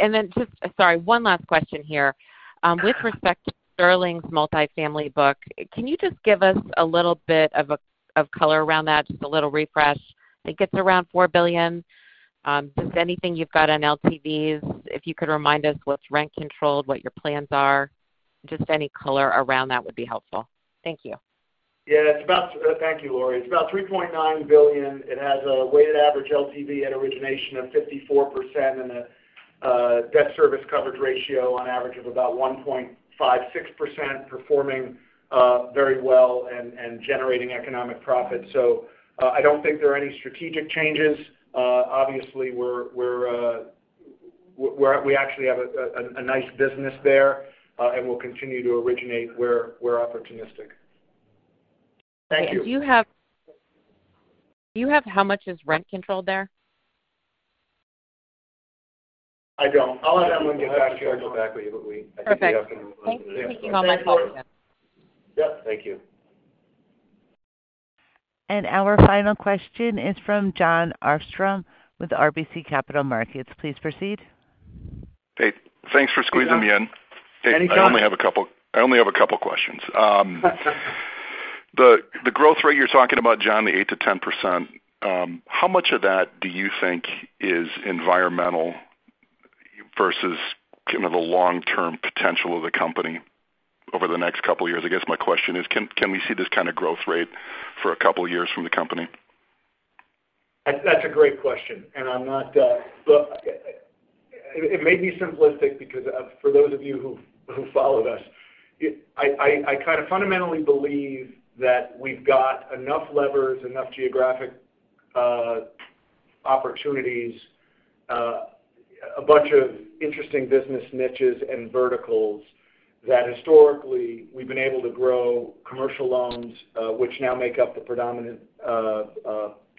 Sorry, one last question here. With respect to Sterling's multifamily book, can you just give us a little bit of color around that, just a little refresh? I think it's around $4 billion. Just anything you've got on LTVs, if you could remind us what's rent controlled, what your plans are. Just any color around that would be helpful. Thank you. Yeah, it's about. Thank you, Laurie. It's about $3.9 billion. It has a weighted average LTV at origination of 54% and a debt service coverage ratio on average of about 1.56% performing very well and generating economic profit. I don't think there are any strategic changes. Obviously, we actually have a nice business there, and we'll continue to originate where we're opportunistic. Great. Thank you. Do you have how much is rent controlled there? I don't. I'll have them get back to you. I'll have to double check with you, but we Perfect. I think we have some Thank you for all my calls. Yeah. Thank you. Our final question is from Jon Arfstrom with RBC Capital Markets. Please proceed. Hey, thanks for squeezing me in. Any time. Hey, I only have a couple questions. The growth rate you're talking about, John, the 8%-10%, how much of that do you think is environmental versus kind of the long-term potential of the company over the next couple of years? I guess my question is, can we see this kind of growth rate for a couple of years from the company? That's a great question, and I'm not. Look, it may be simplistic because, for those of you who followed us, it. I kind of fundamentally believe that we've got enough levers, enough geographic opportunities, a bunch of interesting business niches and verticals that historically we've been able to grow commercial loans, which now make up the predominant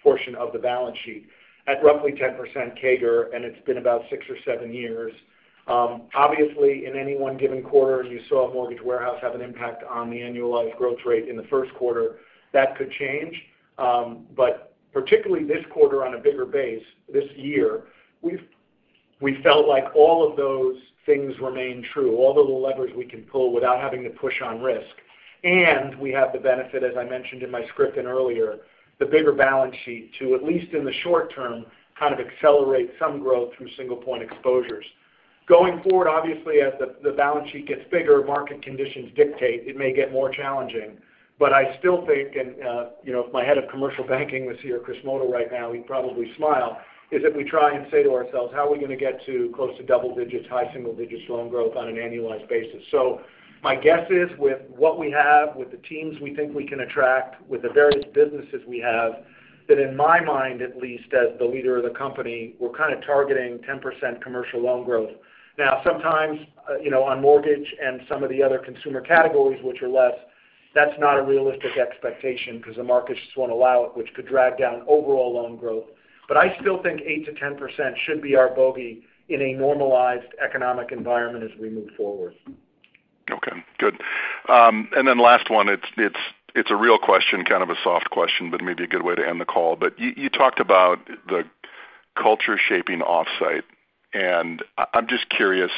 portion of the balance sheet at roughly 10% CAGR, and it's been about six or seven years. Obviously, in any one given quarter, you saw Mortgage Warehouse have an impact on the annualized growth rate in the first quarter. That could change. But particularly this quarter on a bigger base, this year, we felt like all of those things remain true, all the little levers we can pull without having to push on risk. We have the benefit, as I mentioned in my script and earlier, the bigger balance sheet to, at least in the short term, kind of accelerate some growth through single point exposures. Going forward, obviously, as the balance sheet gets bigger, market conditions dictate it may get more challenging. But I still think, and, you know, if my head of commercial banking was here, Christopher Motl, right now, he'd probably smile, is if we try and say to ourselves, how are we gonna get to close to double digits, high single digits loan growth on an annualized basis? So my guess is with what we have, with the teams we think we can attract, with the various businesses we have, that in my mind, at least as the leader of the company, we're kind of targeting 10% commercial loan growth. Now, sometimes, on mortgage and some of the other consumer categories which are less, that's not a realistic expectation because the markets just won't allow it, which could drag down overall loan growth. I still think 8%-10% should be our bogey in a normalized economic environment as we move forward. Good. Last one. It's a real question, kind of a soft question, but maybe a good way to end the call. You talked about the culture shaping offsite, and I'm just curious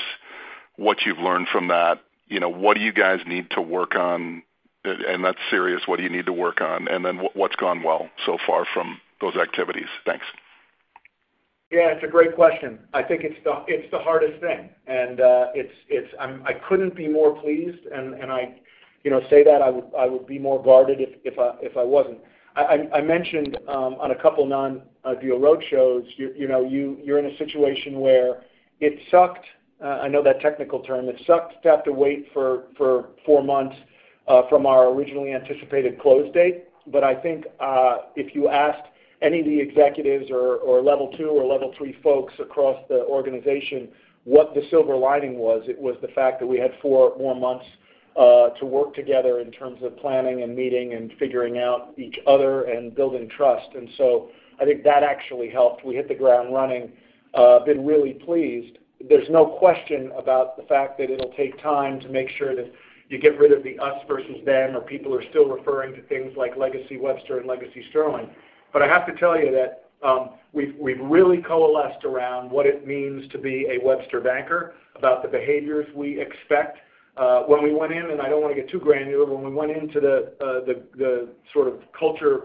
what you've learned from that. You know, what do you guys need to work on? That's serious, what do you need to work on? What's gone well so far from those activities? Thanks. Yeah, it's a great question. I think it's the hardest thing. I couldn't be more pleased, and I, you know, say that I would be more guarded if I wasn't. I mentioned on a couple non-deal roadshows, you know, you're in a situation where it sucked. I know that technical term, it sucked to have to wait for four months from our originally anticipated close date. I think if you asked any of the executives or level two or level three folks across the organization what the silver lining was, it was the fact that we had four more months to work together in terms of planning and meeting and figuring out each other and building trust. I think that actually helped. We hit the ground running, been really pleased. There's no question about the fact that it'll take time to make sure that you get rid of the us versus them, or people are still referring to things like Legacy Webster and Legacy Sterling. I have to tell you that, we've really coalesced around what it means to be a Webster banker, about the behaviors we expect. When we went in, and I don't wanna get too granular, when we went into the sort of culture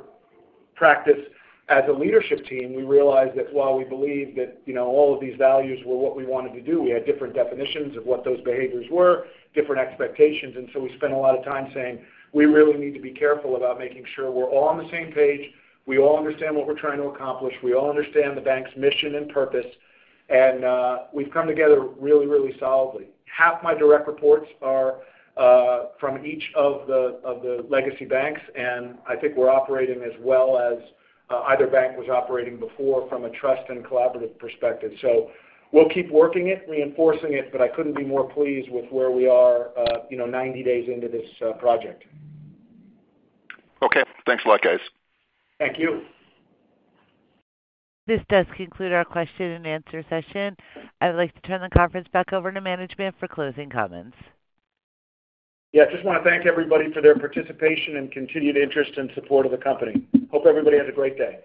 practice as a leadership team, we realized that while we believe that, you know, all of these values were what we wanted to do, we had different definitions of what those behaviors were, different expectations. We spent a lot of time saying, "We really need to be careful about making sure we're all on the same page. We all understand what we're trying to accomplish. We all understand the bank's mission and purpose." We've come together really, really solidly. Half my direct reports are from each of the legacy banks, and I think we're operating as well as either bank was operating before from a trust and collaborative perspective. We'll keep working it, reinforcing it, but I couldn't be more pleased with where we are, you know, 90 days into this project. Okay. Thanks a lot, guys. Thank you. This does conclude our question and answer session. I would like to turn the conference back over to management for closing comments. Yeah, I just wanna thank everybody for their participation and continued interest and support of the company. Hope everybody has a great day.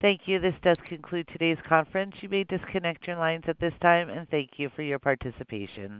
Thank you. This does conclude today's conference. You may disconnect your lines at this time and thank you for your participation.